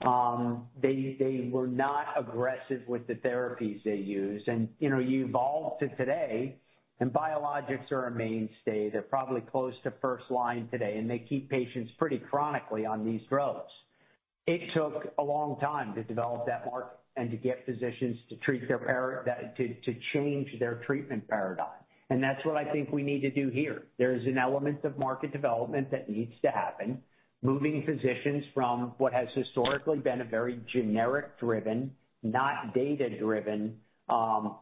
Speaker 3: They were not aggressive with the therapies they used. You know, you evolve to today, and biologics are a mainstay. They're probably close to first line today, and they keep patients pretty chronically on these drugs. It took a long time to develop that market and to get physicians to change their treatment paradigm. That's what I think we need to do here. There is an element of market development that needs to happen, moving physicians from what has historically been a very generic-driven, not data-driven,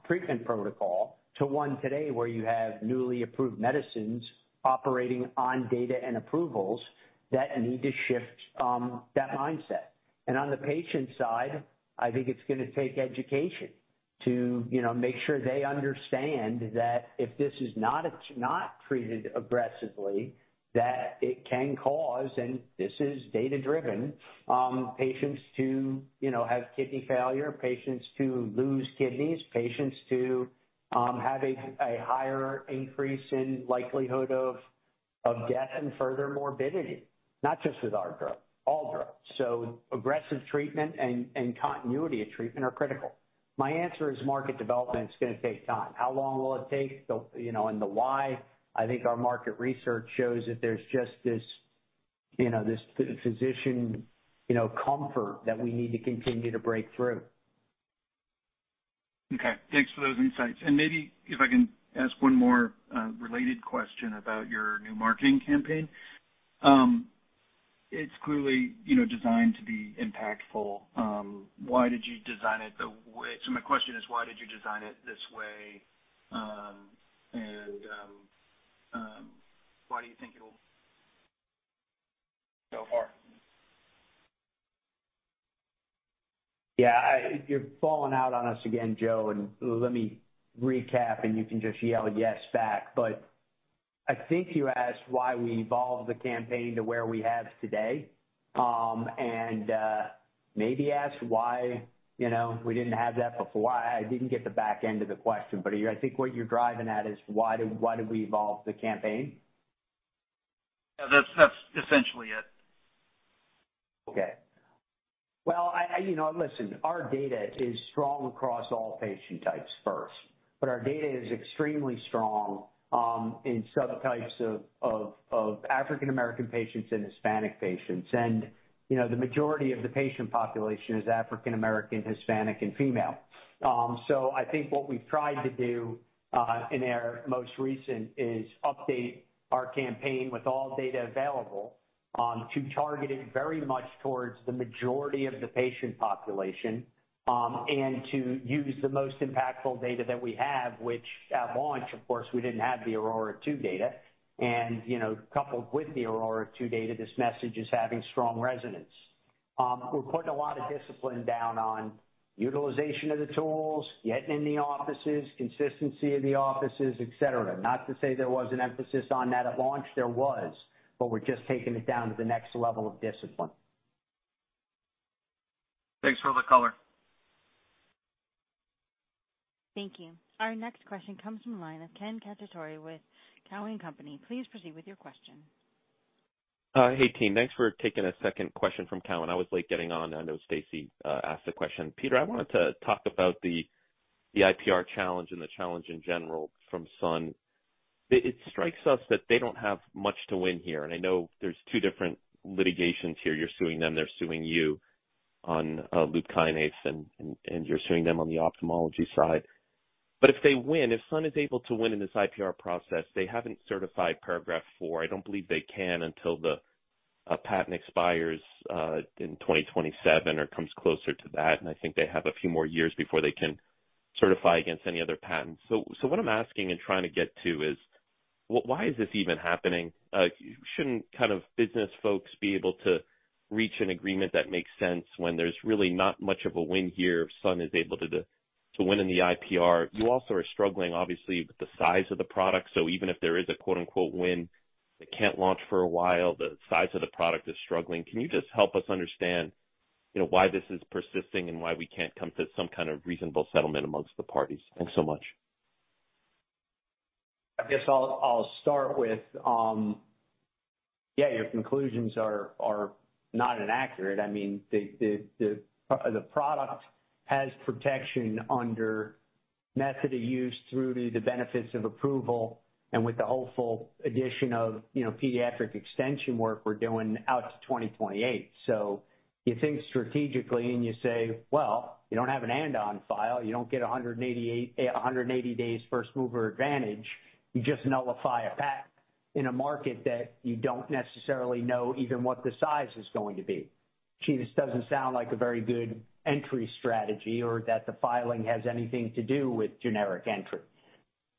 Speaker 3: treatment protocol to one today where you have newly approved medicines operating on data and approvals that need to shift that mindset. On the patient side, I think it's gonna take education to, you know, make sure they understand that if this is not treated aggressively, that it can cause, and this is data-driven, patients to, you know, have kidney failure, patients to lose kidneys, patients to have a higher increase in likelihood of death and further morbidity. Not just with our drug, all drugs. Aggressive treatment and continuity of treatment are critical. My answer is market development is gonna take time. How long will it take, you know, and the why, I think our market research shows that there's just this, you know, this physician comfort that we need to continue to break through.
Speaker 8: Okay. Thanks for those insights. Maybe if I can ask one more related question about your new marketing campaign. It's clearly, you know, designed to be impactful. My question is, why did you design it this way? Why do you think it'll go far?
Speaker 3: Yeah, you're falling out on us again, Joe, and let me recap, and you can just yell yes back. I think you asked why we evolved the campaign to where we have today, and maybe asked why, you know, we didn't have that before. I didn't get the back end of the question, but I think what you're driving at is why did we evolve the campaign?
Speaker 8: Yeah, that's essentially it.
Speaker 3: Okay. Well, you know, listen, our data is strong across all patient types first, but our data is extremely strong in subtypes of African-American patients and Hispanic patients. You know, the majority of the patient population is African-American, Hispanic, and female. So I think what we've tried to do in our most recent is update our campaign with all data available to target it very much towards the majority of the patient population and to use the most impactful data that we have which, at launch, of course, we didn't have the AURORA 2 data and, you know, coupled with the AURORA 2 data, this message is having strong resonance. We're putting a lot of discipline down on utilization of the tools, getting in the offices, consistency in the offices, et cetera. Not to say there was an emphasis on that at launch, there was, but we're just taking it down to the next level of discipline.
Speaker 8: Thanks for the color.
Speaker 1: Thank you. Our next question comes from the line of Ken Cacciatore with TD Cowen. Please proceed with your question.
Speaker 9: Hey, team. Thanks for taking a second question from Cowen. I was late getting on. I know Stacy asked the question. Peter, I wanted to talk about the IPR challenge and the challenge in general from Sun. It strikes us that they don't have much to win here, and I know there's two different litigations here. You're suing them, they're suing you on LUPKYNIS, and you're suing them on the ophthalmology side. If they win, if Sun is able to win in this IPR process, they haven't certified Paragraph IV. I don't believe they can until the patent expires in 2027 or comes closer to that, and I think they have a few more years before they can certify against any other patents. What I'm asking and trying to get to is why is this even happening? Shouldn't kind of business folks be able to reach an agreement that makes sense when there's really not much of a win here if Sun is able to win in the IPR? You also are struggling, obviously, with the size of the product, so even if there is a quote-unquote "win" that can't launch for a while, the size of the product is struggling. Can you just help us understand, you know, why this is persisting and why we can't come to some kind of reasonable settlement amongst the parties? Thanks so much.
Speaker 3: I guess I'll start with yeah, your conclusions are not inaccurate. I mean, the product has protection under method of use through to the benefits of approval and with the hopeful addition of, you know, pediatric extension work we're doing out to 2028. You think strategically and you say, well, you don't have an ANDA file. You don't get 180 days first mover advantage. You just nullify a patent in a market that you don't necessarily know even what the size is going to be. Gee, this doesn't sound like a very good entry strategy or that the filing has anything to do with generic entry.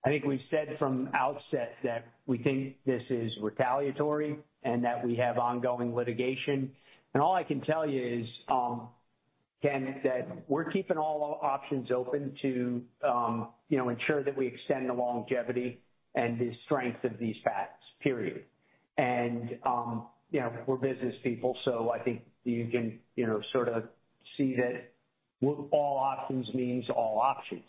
Speaker 3: I think we've said from the outset that we think this is retaliatory and that we have ongoing litigation. All I can tell you is, Ken, that we're keeping all options open to, you know, ensure that we extend the longevity and the strength of these patents, period. You know, we're business people, so I think you can, you know, sort of see that all options means all options.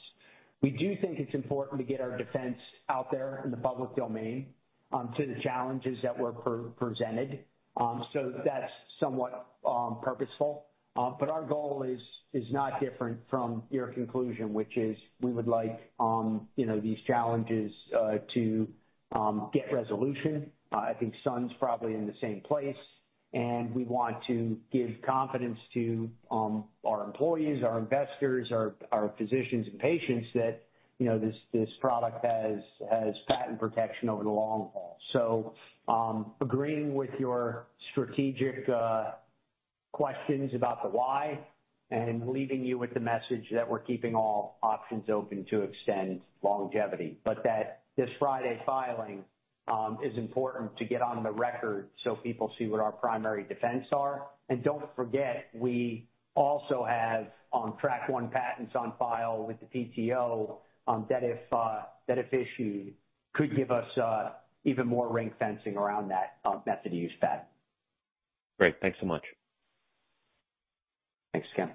Speaker 3: We do think it's important to get our defense out there in the public domain, to the challenges that we're presented. That's somewhat purposeful. Our goal is not different from your conclusion, which is we would like, you know, these challenges to get resolution. I think Sun's probably in the same place, and we want to give confidence to our employees, our investors, our physicians and patients that, you know, this product has patent protection over the long haul. Agreeing with your strategic questions about the why and leaving you with the message that we're keeping all options open to extend longevity. That this Friday filing is important to get on the record so people see what our primary defense are. Don't forget, we also have on Track One patents on file with the PTO, that if issued could give us even more ring fencing around that method of use patent.
Speaker 9: Great. Thanks so much.
Speaker 3: Thanks, Ken.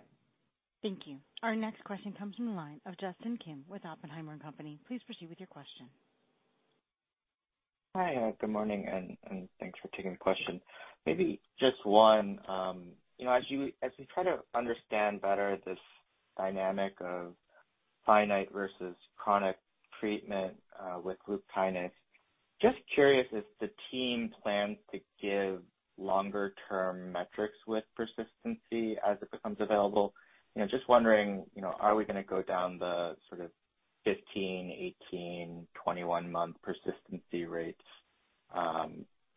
Speaker 1: Thank you. Our next question comes from the line of Justin Kim with Oppenheimer & Co. Please proceed with your question.
Speaker 10: Hi, good morning, and thanks for taking the question. Maybe just one. You know, as we try to understand better this dynamic of finite versus chronic treatment with LUPKYNIS, just curious if the team plans to give longer term metrics with persistency as it becomes available. You know, just wondering, you know, are we gonna go down the sort of 15, 18, 21-month persistency rates,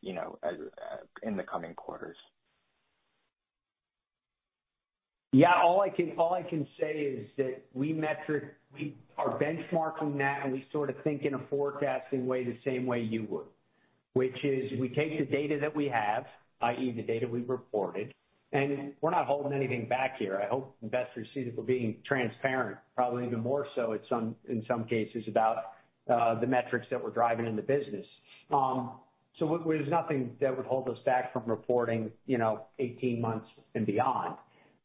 Speaker 10: you know, as in the coming quarters?
Speaker 3: Yeah. All I can say is that we are benchmarking that, and we sort of think in a forecasting way the same way you would, which is we take the data that we have, i.e., the data we've reported. We're not holding anything back here. I hope investors see that we're being transparent, probably even more so in some cases about the metrics that we're driving in the business. Well, there's nothing that would hold us back from reporting, you know, 18 months and beyond.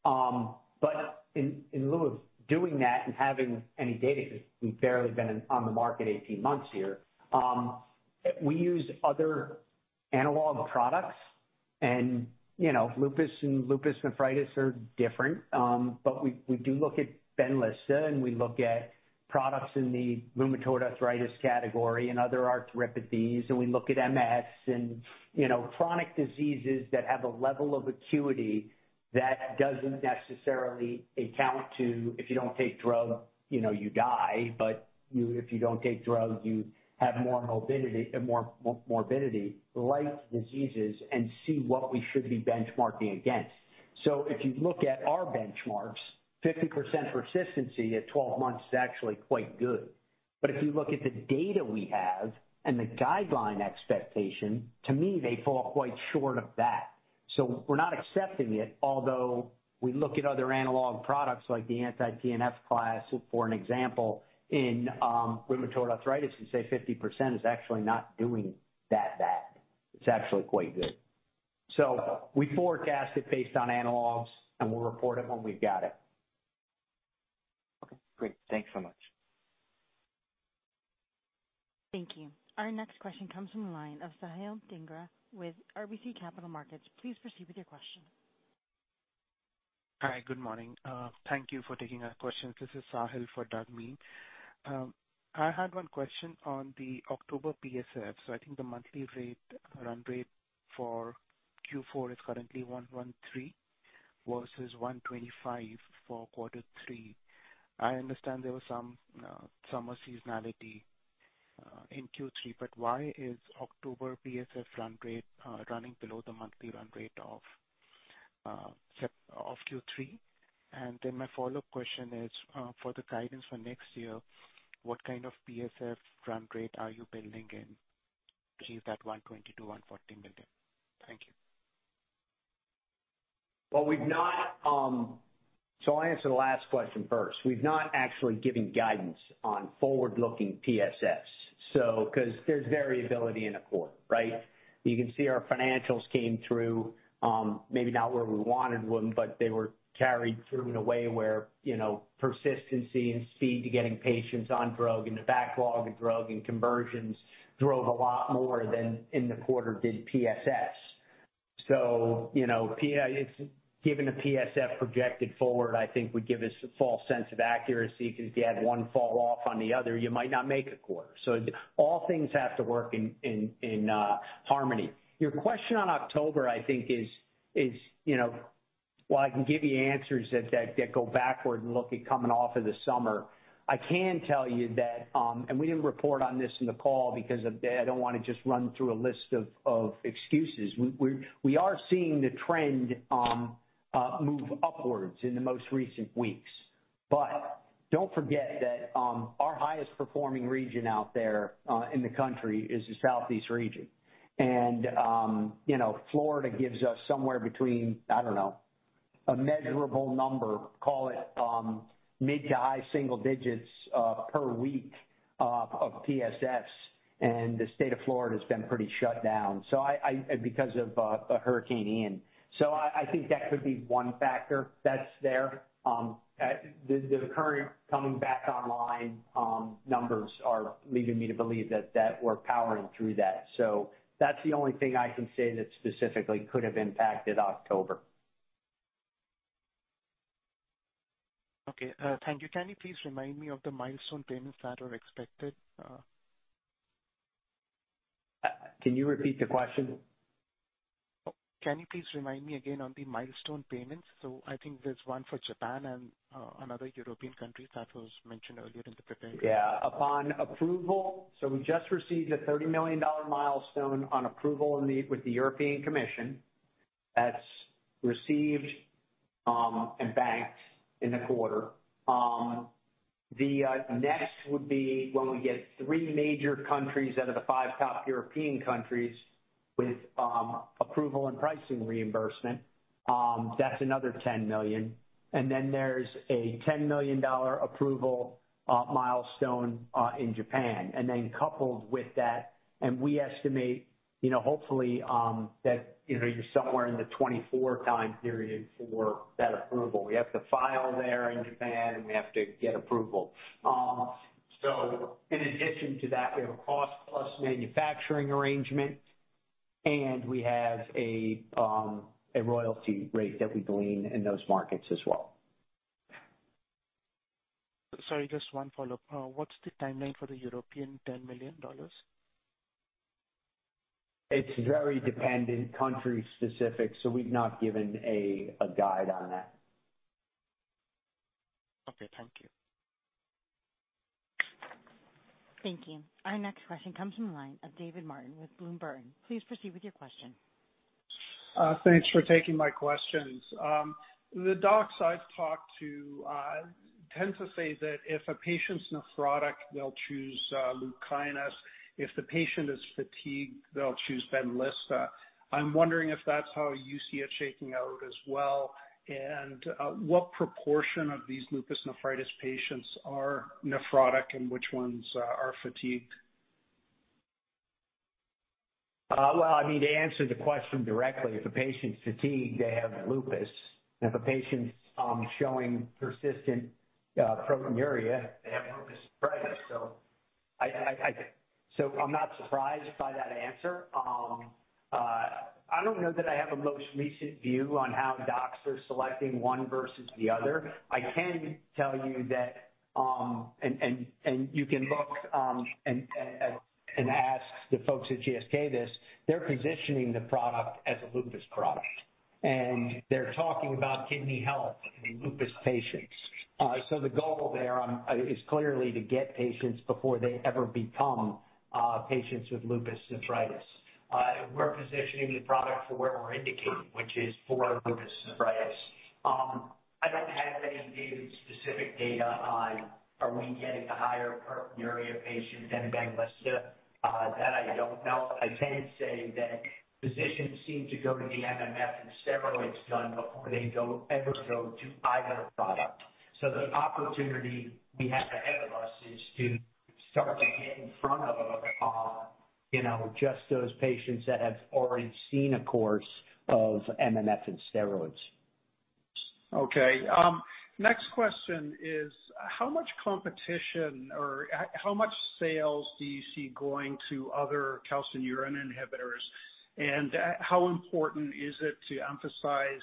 Speaker 3: In lieu of doing that and having any data, 'cause we've barely been on the market 18 months here, we use other analog products. You know, lupus and lupus nephritis are different. We do look at Benlysta, and we look at products in the rheumatoid arthritis category and other arthropathies, and we look at MS and, you know, chronic diseases that have a level of acuity that doesn't necessarily amount to, if you don't take drugs, you know, you die, but if you don't take drugs, you have more morbidity, more morbidity, like diseases and see what we should be benchmarking against. If you look at our benchmarks, 50% persistency at 12 months is actually quite good. If you look at the data we have and the guideline expectation, to me, they fall quite short of that. We're not accepting it, although we look at other analog products like the anti-TNF class, for example, in rheumatoid arthritis, and say 50% is actually not doing that bad. It's actually quite good. We forecast it based on analogs, and we'll report it when we've got it.
Speaker 10: Okay, great. Thanks so much.
Speaker 1: Thank you. Our next question comes from the line of Sahil Dhingra with RBC Capital Markets. Please proceed with your question.
Speaker 11: Hi, good morning. Thank you for taking our questions. This is Sahil Dhingra for Douglas Miehm. I had one question on the October PSFs. I think the monthly rate, run rate for Q4 is currently 113 versus 125 for Q3. I understand there was some summer seasonality in Q3, but why is October PSF run rate running below the monthly run rate of September of Q3? And then my follow-up question is, for the guidance for next year, what kind of PSF run rate are you building in to hit that $120 million-$140 million? Thank you.
Speaker 3: Well, we've not. I'll answer the last question first. We've not actually given guidance on forward-looking PSF. 'Cause there's variability in a quarter, right? You can see our financials came through, maybe not where we wanted them, but they were carried through in a way where, you know, persistency and speed to getting patients on drug and the backlog of drug and conversions drove a lot more than in the quarter did PSF. You know, providing a PSF projected forward, I think would give us a false sense of accuracy, 'cause if you had one fall off on the other, you might not make a quarter. All things have to work in harmony. Your question on October, I think is, you know. While I can give you answers that go backward and look at coming off of the summer, I can tell you that we didn't report on this in the call because I don't wanna just run through a list of excuses. We are seeing the trend move upwards in the most recent weeks. Don't forget that our highest performing region out there in the country is the Southeast region. You know, Florida gives us somewhere between, I don't know, a measurable number, call it mid to high single digits per week of PSFs, and the state of Florida has been pretty shut down because of Hurricane Ian. I think that could be one factor that's there. The current coming back online numbers are leading me to believe that we're powering through that. That's the only thing I can say that specifically could have impacted October.
Speaker 11: Okay, thank you. Can you please remind me of the milestone payments that are expected?
Speaker 3: Can you repeat the question?
Speaker 11: Oh, can you please remind me again on the milestone payments? I think there's one for Japan and another European country that was mentioned earlier in the prepared remarks.
Speaker 3: Yeah. Upon approval. We just received a $30 million milestone on approval with the European Commission. That's received and banked in the quarter. The next would be when we get three major countries out of the five top European countries with approval and pricing reimbursement. That's another $10 million. Then there's a $10 million approval milestone in Japan. Then coupled with that, and we estimate, you know, hopefully, that, you know, you're somewhere in the 2024 time period for that approval. We have to file there in Japan, and we have to get approval. So in addition to that, we have a cost plus manufacturing arrangement, and we have a royalty rate that we believe in those markets as well.
Speaker 11: Sorry, just one follow-up. What's the timeline for the European $10 million?
Speaker 3: It's very dependent, country specific, so we've not given a guide on that.
Speaker 11: Okay, thank you.
Speaker 1: Thank you. Our next question comes from the line of David Martin with Bloom Burton. Please proceed with your question.
Speaker 12: Thanks for taking my questions. The docs I've talked to tend to say that if a patient's nephrotic, they'll choose LUPKYNIS. If the patient is fatigued, they'll choose Benlysta. I'm wondering if that's how you see it shaking out as well. What proportion of these lupus nephritis patients are nephrotic and which ones are fatigued?
Speaker 3: Well, I mean, to answer the question directly, if a patient's fatigued, they have lupus. If a patient's showing persistent proteinuria, they have lupus nephritis. I'm not surprised by that answer. I don't know that I have a most recent view on how docs are selecting one versus the other. I can tell you that, and you can look and ask the folks at GSK this, they're positioning the product as a lupus product. They're talking about kidney health in lupus patients. The goal there is clearly to get patients before they ever become patients with lupus nephritis. We're positioning the product for where we're indicated, which is for lupus nephritis. I don't have any data, specific data on are we getting a higher proteinuria patient than Benlysta. That I don't know. I can say that physicians seem to go to the MMF and steroids done before they ever go to either product. The opportunity we have ahead of us is to start to get in front of, you know, just those patients that have already seen a course of MMF and steroids.
Speaker 12: Okay. Next question is how much competition or how much sales do you see going to other calcineurin inhibitors? How important is it to emphasize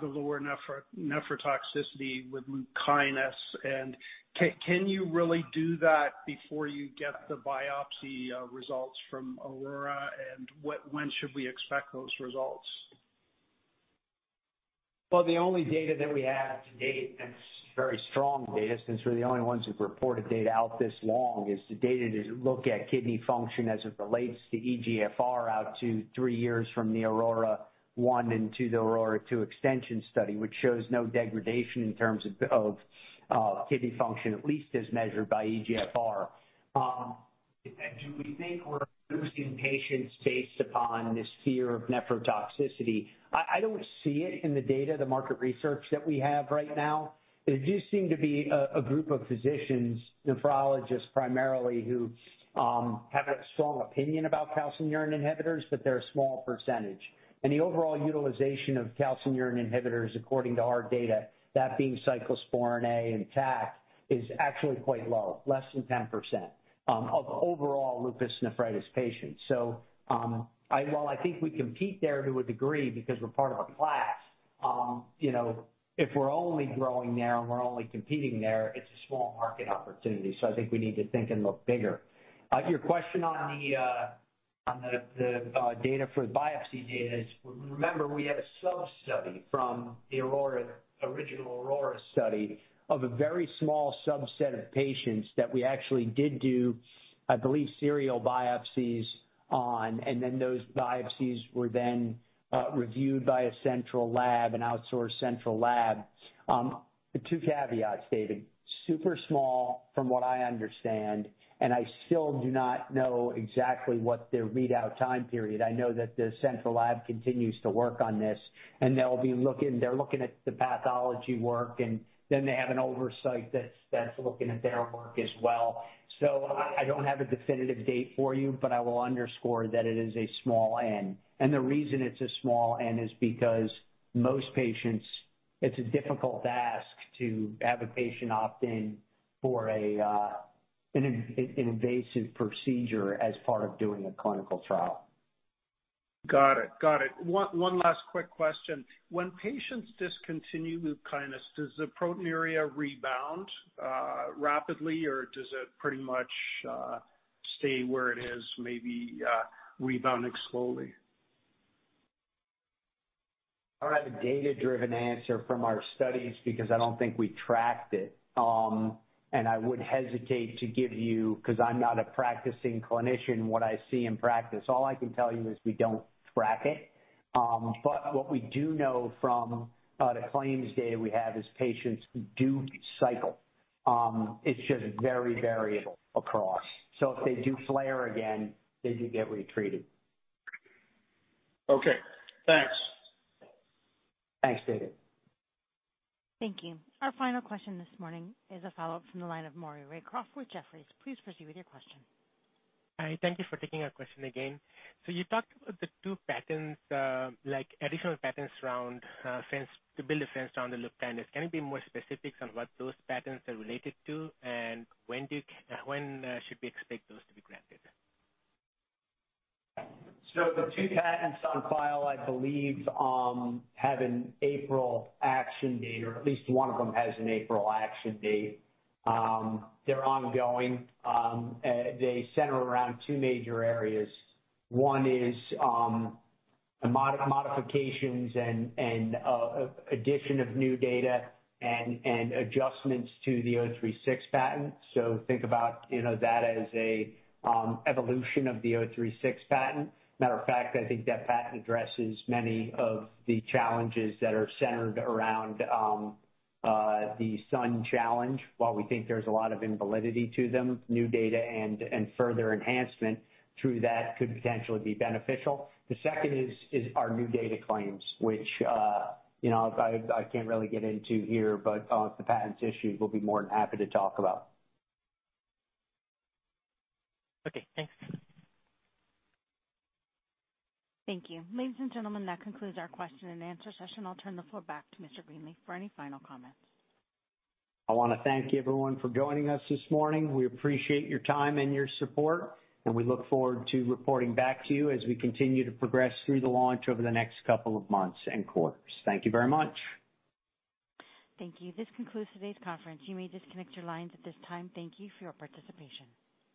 Speaker 12: the lower nephrotoxicity with LUPKYNIS? Can you really do that before you get the biopsy results from AURORA? When should we expect those results?
Speaker 3: The only data that we have to date that's very strong data, since we're the only ones who've reported data out this long, is the data that look at kidney function as it relates to eGFR out to three years from the AURORA 1 into the AURORA 2 extension study, which shows no degradation in terms of kidney function, at least as measured by eGFR. Do we think we're losing patients based upon this fear of nephrotoxicity? I don't see it in the data, the market research that we have right now. There do seem to be a group of physicians, nephrologists primarily, who have a strong opinion about calcineurin inhibitors, but they're a small percentage. The overall utilization of calcineurin inhibitors, according to our data, that being cyclosporine A and tacrolimus, is actually quite low, less than 10% of overall lupus nephritis patients. While I think we compete there to a degree because we're part of a class, you know, if we're only growing there and we're only competing there, it's a small market opportunity. I think we need to think and look bigger. Your question on the data for the biopsy data is, remember we had a sub-study from the AURORA, original AURORA study of a very small subset of patients that we actually did do, I believe, serial biopsies on, and then those biopsies were then reviewed by a central lab, an outsourced central lab. Two caveats, David. Super small, from what I understand, and I still do not know exactly what their readout time period. I know that the central lab continues to work on this, and they'll be looking. They're looking at the pathology work, and then they have an oversight that's looking at their work as well. I don't have a definitive date for you, but I will underscore that it is a small N. The reason it's a small N is because most patients, it's a difficult ask to have a patient opt in for a, an invasive procedure as part of doing a clinical trial.
Speaker 12: Got it. One last quick question. When patients discontinue LUPKYNIS, does the proteinuria rebound rapidly, or does it pretty much stay where it is, maybe rebounding slowly?
Speaker 3: I don't have a data-driven answer from our studies because I don't think we tracked it. I would hesitate to give you, 'cause I'm not a practicing clinician, what I see in practice. All I can tell you is we don't track it. What we do know from the claims data we have is patients do cycle. It's just very variable across. If they do flare again, they do get retreated.
Speaker 12: Okay, thanks.
Speaker 3: Thanks, David.
Speaker 1: Thank you. Our final question this morning is a follow-up from the line of Maury Raycroft with Jefferies. Please proceed with your question.
Speaker 13: Hi. Thank you for taking our question again. You talked about the two patents, like additional patents around fence to build a fence around the LUPKYNIS. Can you be more specific on what those patents are related to and when should we expect those to be granted?
Speaker 3: The two patents on file, I believe, have an April action date, or at least one of them has an April action date. They're ongoing. They center around two major areas. One is modifications and addition of new data and adjustments to the '036 patent. Think about, you know, that as a evolution of the '036 patent. Matter of fact, I think that patent addresses many of the challenges that are centered around the Sun challenge. While we think there's a lot of invalidity to them, new data and further enhancement through that could potentially be beneficial. The second is our new data claims, which, you know, I can't really get into here, but if the patent's issued, we'll be more than happy to talk about.
Speaker 13: Okay, thanks.
Speaker 1: Thank you. Ladies and gentlemen, that concludes our question and answer session. I'll turn the floor back to Mr. Greenleaf for any final comments.
Speaker 3: I wanna thank you, everyone, for joining us this morning. We appreciate your time and your support, and we look forward to reporting back to you as we continue to progress through the launch over the next couple of months and quarters. Thank you very much.
Speaker 1: Thank you. This concludes today's conference. You may disconnect your lines at this time. Thank you for your participation.